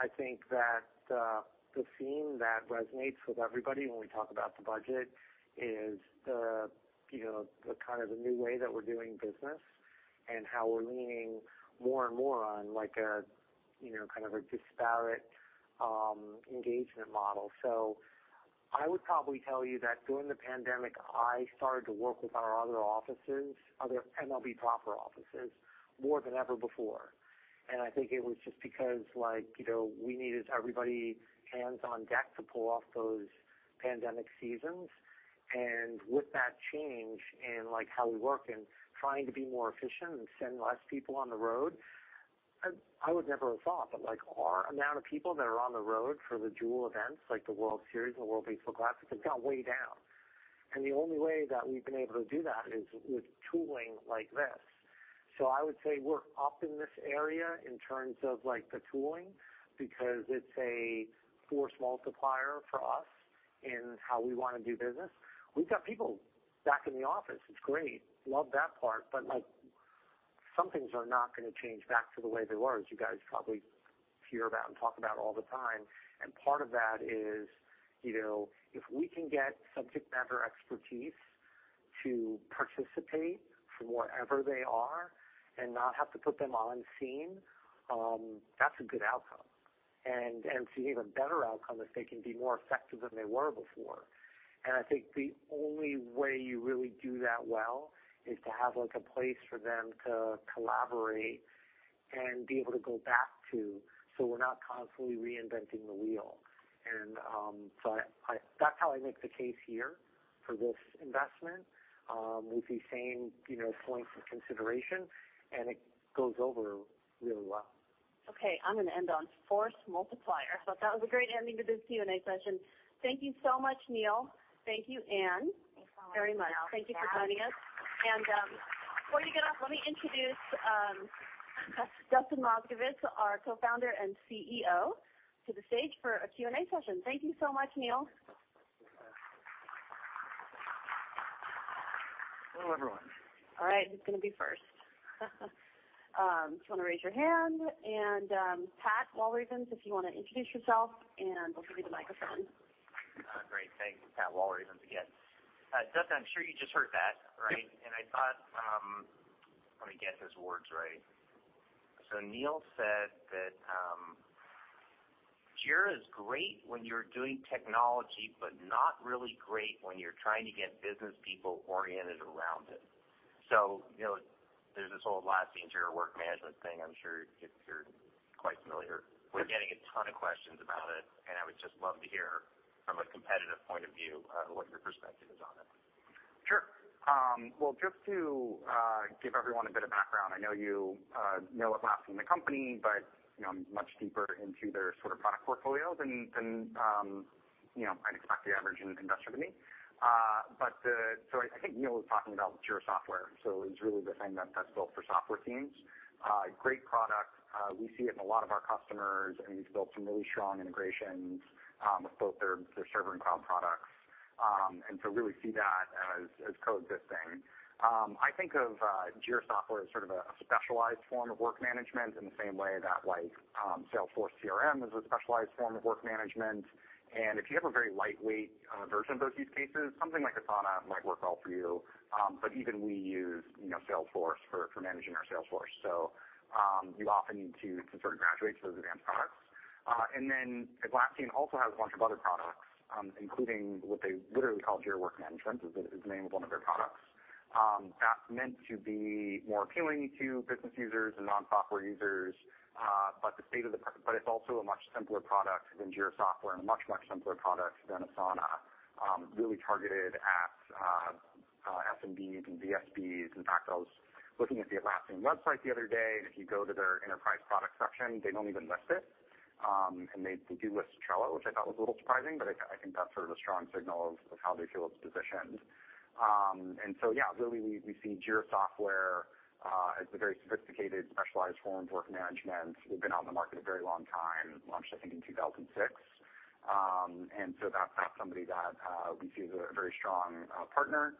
I think that the theme that resonates with everybody when we talk about the budget is the you know the kind of new way that we're doing business and how we're leaning more and more on like a you know kind of a disparate engagement model. I would probably tell you that during the pandemic, I started to work with our other offices, other MLB proper offices, more than ever before. I think it was just because, like, you know, we needed everybody hands on deck to pull off those pandemic seasons. With that change in, like, how we work and trying to be more efficient and send less people on the road, I would never have thought, but, like, our amount of people that are on the road for the major events like the World Series and the World Baseball Classic have got way down. The only way that we've been able to do that is with tooling like this. I would say we're up in this area in terms of, like, the tooling because it's a force multiplier for us in how we wanna do business. We've got people back in the office. It's great. Love that part. Like, some things are not gonna change back to the way they were, as you guys probably hear about and talk about all the time. Part of that is, you know, if we can get subject matter expertise to participate from wherever they are and not have to put them on scene, that's a good outcome. It's an even better outcome if they can be more effective than they were before. I think the only way you really do that well is to have, like, a place for them to collaborate and be able to go back to, so we're not constantly reinventing the wheel. That's how I make the case here for this investment, with the same, you know, points of consideration, and it goes over really well. Okay. I'm gonna end on force multiplier. Thought that was a great ending to this Q&A session. Thank you so much, Neil. Thank you, Anne. Thanks for letting me help. Yeah. Very much. Thank you for joining us. Before you get up, let me introduce Dustin Moskovitz, our Co-Founder and CEO, to the stage for a Q&A session. Thank you so much, Neil. Thanks, guys. Hello, everyone. All right. Who's gonna be first? Just wanna raise your hand, and Pat Walravens, if you wanna introduce yourself, and we'll give you the microphone. Great. Thanks. Pat Walravens again. Dustin, I'm sure you just heard that, right? I thought, let me get these words right. Neil said that Jira is great when you're doing technology, but not really great when you're trying to get business people oriented around it. You know, there's this whole Atlassian Jira Work Management thing. I'm sure you're quite familiar. We're getting a ton of questions about it, and I would just love to hear from a competitive point of view what your perspective is on it. Sure. Well, just to give everyone a bit of background, I know you know Atlassian, the company, but you know much deeper into their sort of product portfolios than you know, I'd expect your average investor to be. I think Neil was talking about Jira Software, so it's really the thing that's built for software teams. Great product. We see it in a lot of our customers, and we've built some really strong integrations with both their server and cloud products. Really see that as coexisting. I think of Jira Software as sort of a specialized form of work management in the same way that, like, Salesforce CRM is a specialized form of work management. If you have a very lightweight version of those use cases, something like Asana might work well for you. Even we use, you know, Salesforce for managing our sales force. You often need to sort of graduate to those advanced products. Atlassian also has a bunch of other products, including what they literally call Jira Work Management is the name of one of their products, that's meant to be more appealing to business users and non-software users. It's also a much simpler product than Jira Software and a much, much simpler product than Asana, really targeted at SMBs and VSBs. In fact, I was looking at the Atlassian website the other day, and if you go to their enterprise product section, they don't even list it. They do list Trello, which I thought was a little surprising, but I think that's sort of a strong signal of how they feel it's positioned. Yeah, really, we see Jira Software as a very sophisticated, specialized form of work management. They've been out in the market a very long time, launched, I think, in 2006. That's somebody that we see as a very strong partner.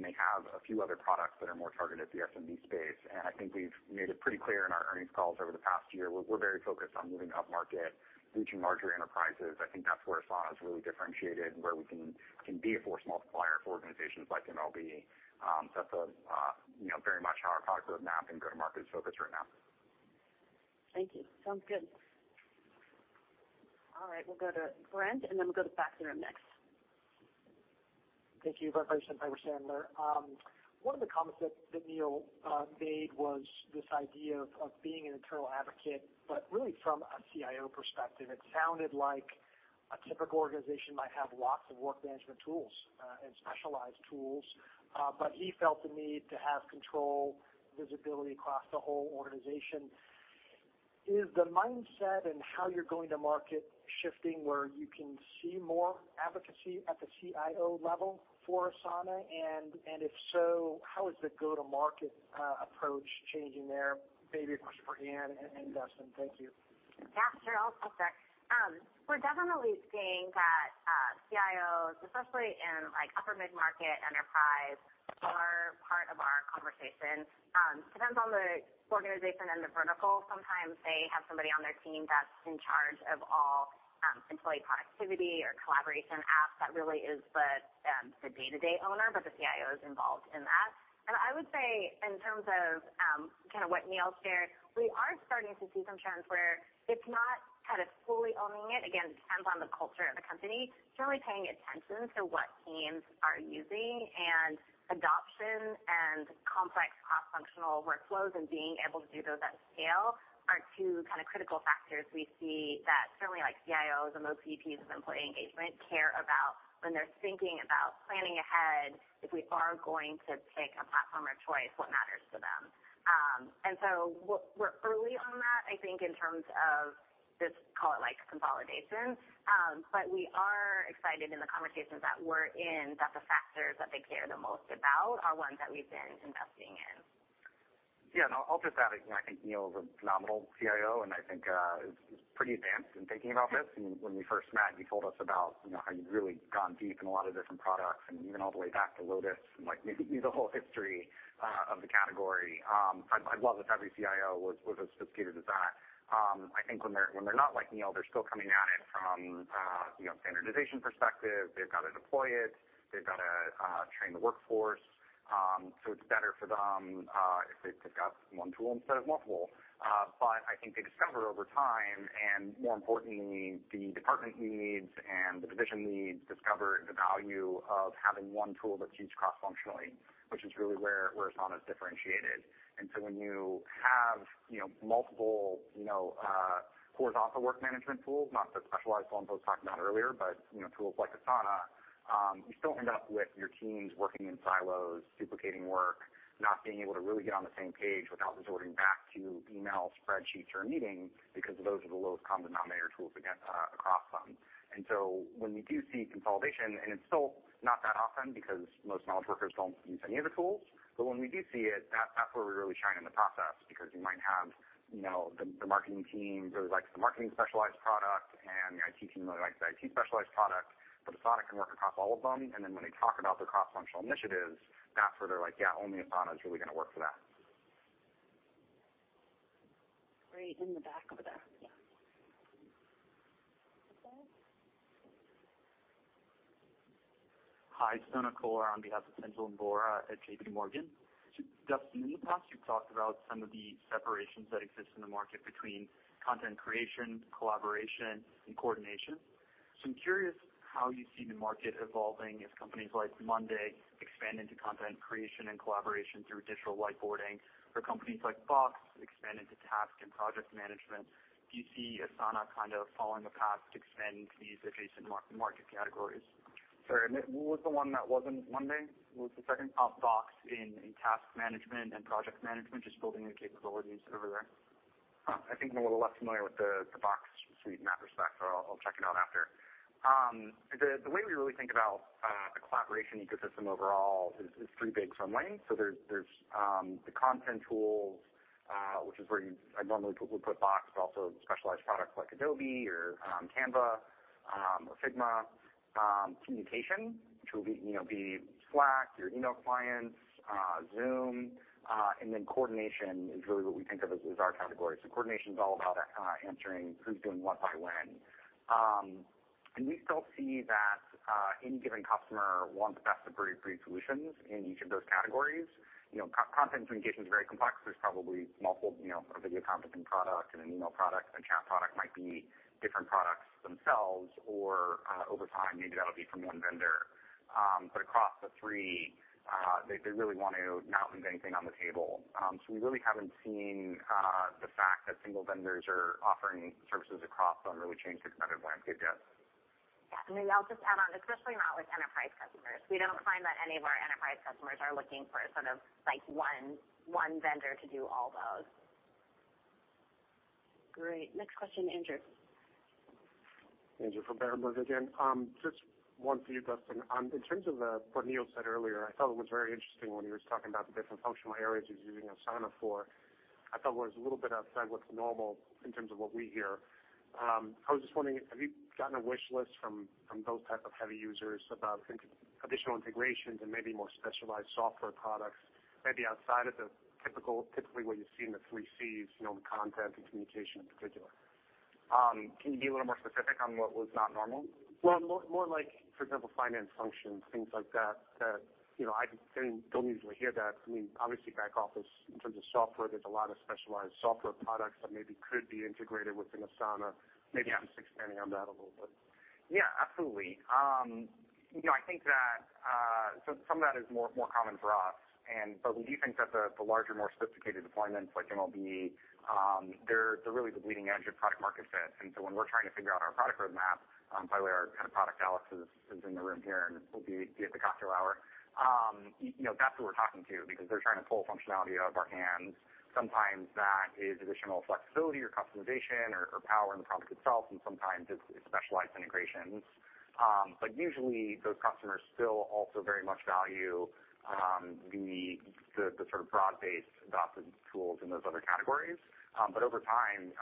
They have a few other products that are more targeted at the SMB space. I think we've made it pretty clear in our earnings calls over the past year, we're very focused on moving upmarket, reaching larger enterprises. I think that's where Asana is really differentiated and where we can be a force multiplier for organizations like MLB. That's you know very much how our product roadmap and go-to-market is focused right now. Thank you. Sounds good. All right. We'll go to Brent, and then we'll go to the back of the room next. Thank you very much. I appreciate it. One of the comments that Neil made was this idea of being an internal advocate, but really from a CIO perspective. It sounded like a typical organization might have lots of work management tools and specialized tools. But he felt the need to have control, visibility across the whole organization. Is the mindset and how you're go-to-market shifting where you can see more advocacy at the CIO level for Asana? If so, how is the go-to-market approach changing there? Maybe a question for Anne and Dustin. Thank you. Yeah, sure. I'll start there. We're definitely seeing that, CIOs, especially in like upper mid-market enterprise, are part of our conversation. Depends on the organization and the vertical. Sometimes they have somebody on their team that's in charge of all, employee productivity or collaboration apps that really is the day-to-day owner, but the CIO is involved in that. I would say in terms of, kind of what Neil shared, we are starting to see some trends where it's not kind of fully owning it. Again, it depends on the culture of the company. It's really paying attention to what teams are using, and adoption and complex cross-functional workflows and being able to do those at scale are two kind of critical factors we see that certainly like CIOs and ops of employee engagement care about when they're thinking about planning ahead, if we are going to pick a platform of choice, what matters to them. We're early on that, I think, in terms of this, call it like consolidation. We are excited in the conversations that we're in, that the factors that they care the most about are ones that we've been investing in. Yeah. I'll just add, you know, I think Neil is a phenomenal CIO, and I think pretty advanced in thinking about this. When we first met, you told us about, you know, how you'd really gone deep in a lot of different products, and even all the way back to Lotus, and like maybe the whole history of the category. I'd love if every CIO was as sophisticated as that. I think when they're not like Neil, they're still coming at it from, you know, standardization perspective. They've got to deploy it. They've got to train the workforce. So it's better for them if they've got one tool instead of multiple. I think they discover over time, and more importantly, the department needs and the division needs discover the value of having one tool that's used cross-functionally, which is really where Asana is differentiated. When you have, you know, multiple, you know, horizontal work management tools, not the specialized ones I was talking about earlier, but, you know, tools like Asana, you still end up with your teams working in silos, duplicating work, not being able to really get on the same page without resorting back to email, spreadsheets or meetings, because those are the lowest common denominator tools again, across them. When we do see consolidation, and it's still not that often because most knowledge workers don't use any of the tools, but when we do see it, that's where we really shine in the process because you might have, you know, the marketing team really likes the marketing specialized product and the IT team really likes the IT specialized product, but Asana can work across all of them. When they talk about their cross-functional initiatives, that's where they're like, Yeah, only Asana is really gonna work for that. Great. In the back over there. Yeah. Hi. ConOr Cole on behalf of Pinjalim Bora at JPMorgan. Dustin, in the past, you've talked about some of the separations that exist in the market between content creation, collaboration, and coordination. I'm curious how you see the market evolving as companies like Monday expand into content creation and collaboration through digital whiteboarding or companies like Box expand into task and project management. Do you see Asana kind of following the path to expand these adjacent market categories? Sorry. What was the one that wasn't monday.com? What was the second? Box, in task management and project management, just building new capabilities over there. I think I'm a little less familiar with the Box suite in that respect, so I'll check it out after. The way we really think about the collaboration ecosystem overall is three big runways. There's the content tools, which is where I normally would put Box, but also specialized products like Adobe or Canva or Figma. Communication, which will be, you know, Slack, your email clients, Zoom. Coordination is really what we think of as our category. Coordination's all about answering who's doing what by when. We still see that any given customer wants best-of-breed solutions in each of those categories. You know, content communication is very complex. There's probably multiple, you know, a video conferencing product and an email product and a chat product might be different products themselves or, over time, maybe that'll be from one vendor. Across the three, they really want to not leave anything on the table. We really haven't seen the fact that single vendors are offering services across them really change the competitive landscape yet. Yeah. I'll just add on, especially not with enterprise customers. We don't find that any of our enterprise customers are looking for sort of like one vendor to do all those. Great. Next question, Andrew. Andrew from Berenberg again. Just one for you, Dustin. In terms of what Neil said earlier, I thought it was very interesting when he was talking about the different functional areas he's using Asana for. I thought it was a little bit outside what's normal in terms of what we hear. I was just wondering, have you gotten a wish list from those type of heavy users about additional integrations and maybe more specialized software products, maybe outside of the typical, typically what you see in the three Cs, you know, the content and communication in particular? Can you be a little more specific on what was not normal? Well, more like, for example, finance functions, things like that, you know, I don't usually hear that. I mean, obviously back office in terms of software, there's a lot of specialized software products that maybe could be integrated within Asana. Yeah. Maybe just expanding on that a little bit. Yeah, absolutely. You know, I think that some of that is more common for us, but we do think that the larger, more sophisticated deployments like MLB, they're really the bleeding edge of product market fit. When we're trying to figure out our product roadmap, by the way, our head of product, Alex, is in the room here and will be at the cocktail hour. You know, that's who we're talking to because they're trying to pull functionality out of our hands. Sometimes that is additional flexibility or customization or power in the product itself, and sometimes it's specialized integrations. But usually those customers still also very much value the sort of broad-based adopted tools in those other categories. Over time,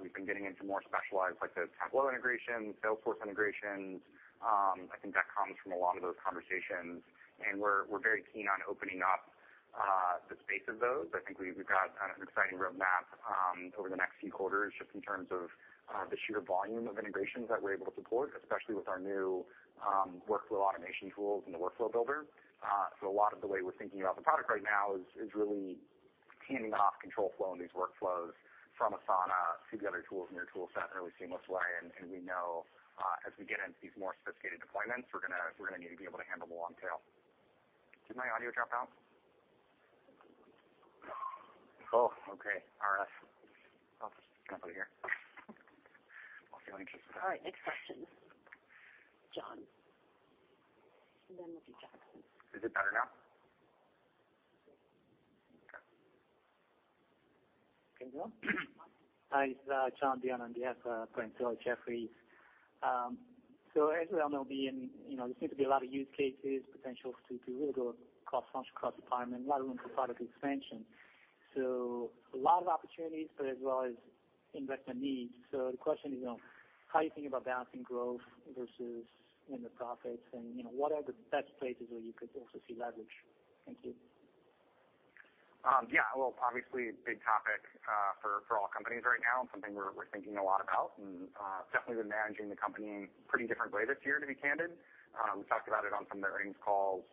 we've been getting into more specialized like the Tableau integration, Salesforce integrations. I think that comes from a lot of those conversations, and we're very keen on opening up the space of those. I think we've got kind of an exciting roadmap over the next few quarters just in terms of the sheer volume of integrations that we're able to support, especially with our new workflow automation tools and the Workflow Builder. A lot of the way we're thinking about the product right now is really handing off control flow in these workflows from Asana to the other tools in your toolset in a really seamless way. We know as we get into these more sophisticated deployments, we're gonna need to be able to handle the long tail. Did my audio drop out? Oh, okay. RF. I'll just put it here. All right, next question, John. Then we'll do Jackson. Is it better now? Okay. Can you hear me? Hi, it's John Byun from Jefferies. As we all know, you know, there seems to be a lot of use cases, potential to really go cross-functional, cross-department, a lot of room for product expansion. A lot of opportunities, but as well as investor needs. The question is, you know, how you think about balancing growth versus, you know, profits and, you know, what are the best places where you could also see leverage? Thank you. Yeah. Well, obviously big topic for all companies right now, and something we're thinking a lot about. Definitely been managing the company in a pretty different way this year, to be candid. We talked about it on some of the earnings calls,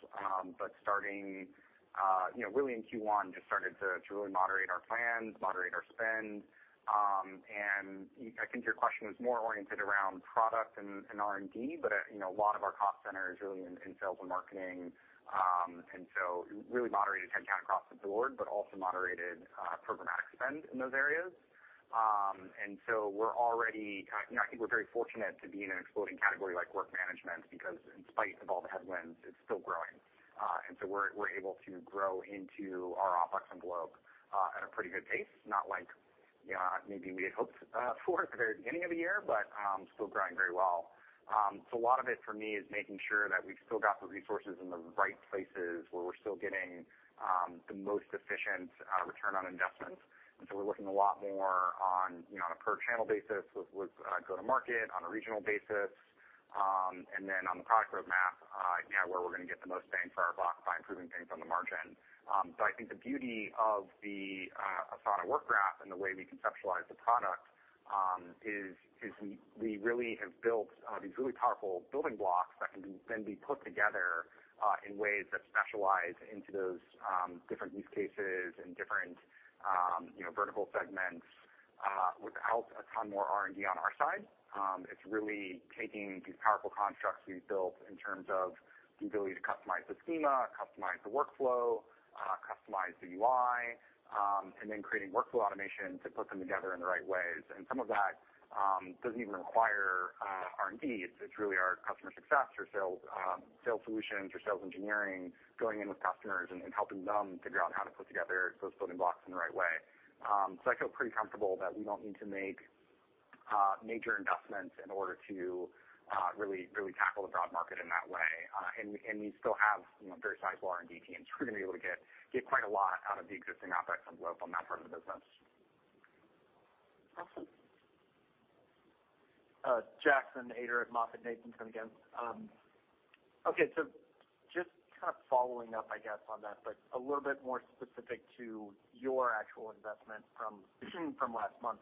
but starting, you know, really in Q1 just started to really moderate our plans, moderate our spend. I think your question was more oriented around product and R&D, but you know, a lot of our cost center is really in sales and marketing. Really moderated head count across the board, but also moderated programmatic spend in those areas. We're already kind of, you know, I think we're very fortunate to be in an exploding category like work management because in spite of all the headwinds, it's still growing. We're able to grow into our OpEx envelope at a pretty good pace. Not like maybe we had hoped for at the very beginning of the year, but still growing very well. A lot of it for me is making sure that we've still got the resources in the right places where we're still getting the most efficient return on investments. We're looking a lot more on, you know, on a per channel basis with go to market on a regional basis. On the product roadmap, you know, where we're gonna get the most bang for our buck by improving things on the margin. I think the beauty of the Asana Work Graph® and the way we conceptualize the product is we really have built these really powerful building blocks that can then be put together in ways that specialize into those different use cases and different, you know, vertical segments without a ton more R&D on our side. It's really taking these powerful constructs we've built in terms of the ability to customize the schema, customize the workflow, customize the UI, and then creating workflow automation to put them together in the right ways. Some of that doesn't even require R&D. It's really our customer success or sales solutions or sales engineering going in with customers and helping them figure out how to put together those building blocks in the right way. I feel pretty comfortable that we don't need to make major investments in order to really tackle the broad market in that way. We still have, you know, very sizable R&D teams. We're gonna be able to get quite a lot out of the existing OpEx envelope on that part of the business. Awesome. Jackson Ader at MoffettNathanson again. Okay. Just kind of following up, I guess, on that, but a little bit more specific to your actual investment from last month.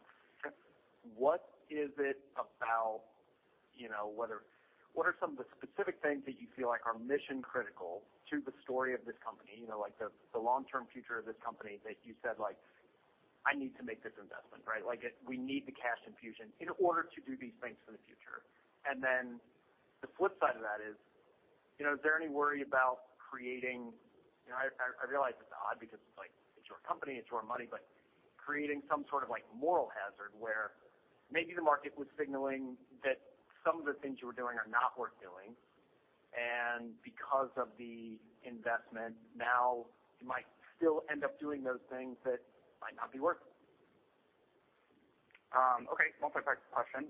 What is it about, you know, what are some of the specific things that you feel like are mission critical to the story of this company? You know, like the long-term future of this company that you said, like, I need to make this investment, right? Like we need the cash infusion in order to do these things for the future. The flip side of that is, you know, is there any worry about creating? You know, I realize it's odd because it's like it's your company, it's your money, but creating some sort of like moral hazard where maybe the market was signaling that some of the things you were doing are not worth doing, and because of the investment, now you might still end up doing those things that might not be worth it. Okay. Multi-part question.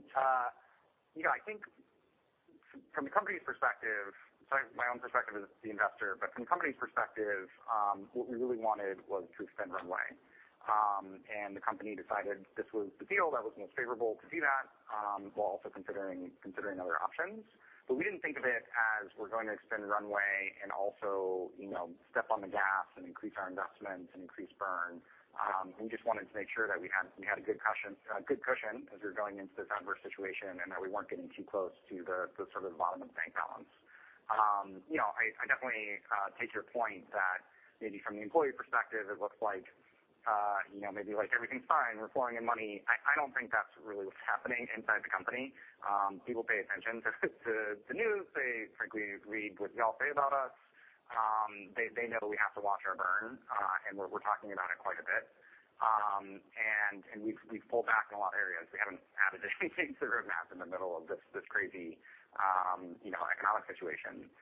You know, I think from the company's perspective, sorry, my own perspective as the investor, but from the company's perspective, what we really wanted was to extend runway. The company decided this was the deal that was most favorable to do that, while also considering other options. We didn't think of it as we're going to extend runway and also, you know, step on the gas and increase our investments and increase burn. We just wanted to make sure that we had a good cushion, good cushion as we were going into this adverse situation and that we weren't getting too close to the sort of bottom of the bank balance. You know, I definitely take your point that maybe from the employee perspective it looks like, you know, maybe like everything's fine, we're pouring in money. I don't think that's really what's happening inside the company. People pay attention to news. They frankly read what y'all say about us. They know we have to watch our burn. We're talking about it quite a bit. We've pulled back in a lot of areas. We haven't added anything to the roadmap in the middle of this crazy, you know, economic situation.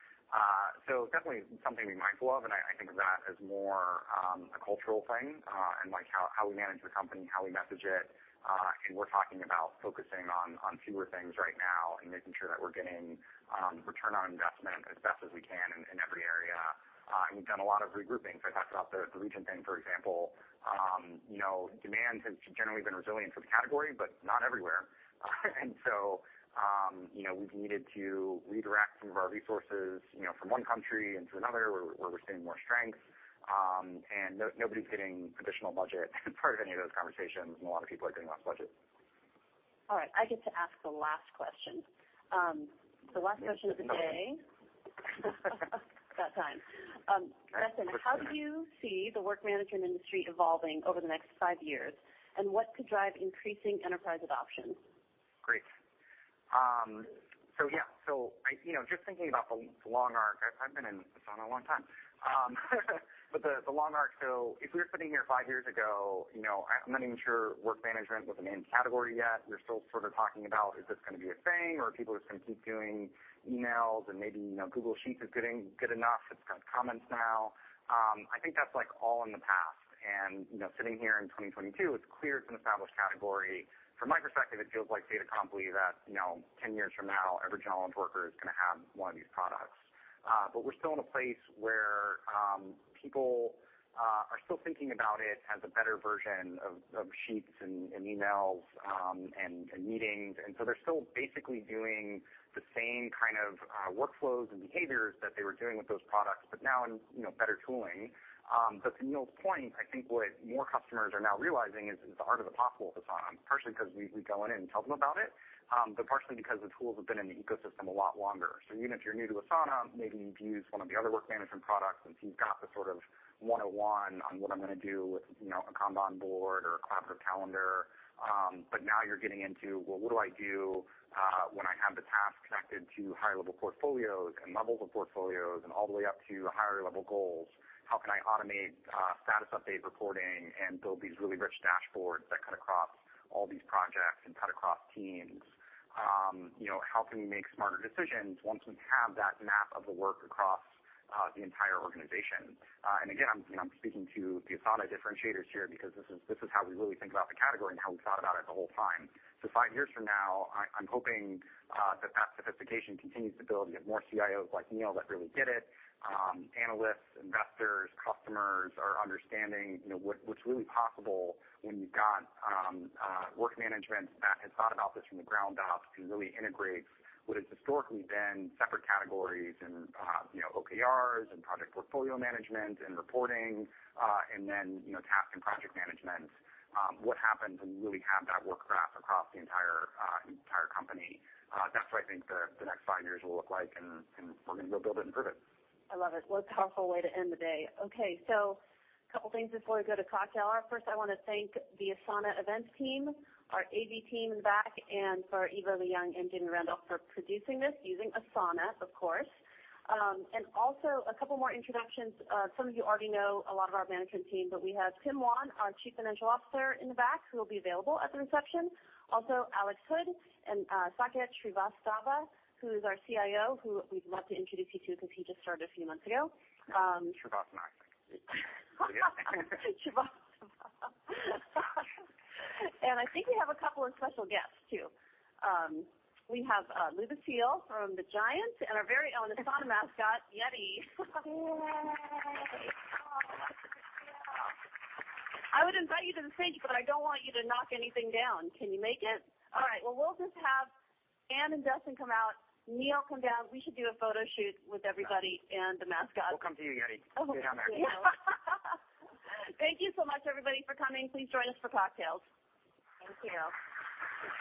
Definitely something to be mindful of, and I think of that as more a cultural thing, and like how we manage the company, how we message it. We're talking about focusing on fewer things right now and making sure that we're getting return on investment as best as we can in every area. We've done a lot of regrouping. I talked about the region thing, for example. You know, demand has generally been resilient for the category, but not everywhere. You know, we've needed to redirect some of our resources from one country into another where we're seeing more strength. Nobody's getting additional budget as part of any of those conversations, and a lot of people are getting less budget. All right, I get to ask the last question. The last question of the day. It's about time. Dustin, how do you see the work management industry evolving over the next five years, and what could drive increasing enterprise adoption? Great. You know, just thinking about the long arc. I've been in Asana a long time. The long arc, if we were sitting here five years ago, you know, I'm not even sure work management was a main category yet. We were still sort of talking about, is this gonna be a thing, or are people just gonna keep doing emails and maybe, you know, Google Sheets is getting good enough. It's got comments now. I think that's like all in the past. You know, sitting here in 2022, it's clear it's an established category. From my perspective, it feels like IDC believe that, you know, 10 years from now, every knowledge worker is gonna have one of these products. We're still in a place where people are still thinking about it as a better version of Sheets and emails and meetings. They're still basically doing the same kind of workflows and behaviors that they were doing with those products, but now in, you know, better tooling. To Neil's point, I think what more customers are now realizing is the art of the possible with Asana, partially 'cause we go in and tell them about it, but partially because the tools have been in the ecosystem a lot longer. Even if you're new to Asana, maybe you've used one of the other work management products, and so you've got the sort of one-on-one on what I'm gonna do with, you know, a Kanban board or a collaborative calendar. Now you're getting into, well, what do I do when I have the task connected to higher-level portfolios and levels of portfolios and all the way up to higher-level goals? How can I automate status update reporting and build these really rich dashboards that cut across all these projects and cut across teams? You know, how can we make smarter decisions once we have that map of the work across the entire organization? Again, I'm, you know, I'm speaking to the Asana differentiators here because this is how we really think about the category and how we've thought about it the whole time. Five years from now, I'm hoping that sophistication continues to build. We have more CIOs like Neil that really get it. Analysts, investors, customers are understanding, you know, what's really possible when you've got work management that has thought about this from the ground up to really integrate what has historically been separate categories and, you know, OKRs and project portfolio management and reporting, and then, you know, task and project management. What happens when you really have that Work Graph across the entire company? That's what I think the next five years will look like, and we're gonna go build it and prove it. I love it. What a powerful way to end the day. Okay, so a couple things before we go to cocktail hour. First, I wanna thank the Asana events team, our AV team in the back, and for Eva Leung and Jane Randolph for producing this using Asana, of course. Also a couple more introductions. Some of you already know a lot of our management team, but we have Tim Wan, our Chief Financial Officer, in the back, who will be available at the reception. Also, Alex Hood and Saket Srivastava, who is our CIO, who we'd love to introduce you to because he just started a few months ago. Srivastava. Srivastava. I think we have a couple of special guests too. We have Lou Seal from the Giants and our very own Asana mascot, Yeti. Yay. Oh, that's a good seal. I would invite you to the stage, but I don't want you to knock anything down. Can you make it? All right. Well, we'll just have Anne and Dustin come out, Neil come down. We should do a photo shoot with everybody and the mascot. We'll come to you, Yeti. Okay. Get down there. Thank you so much, everybody, for coming. Please join us for cocktails. Thank you.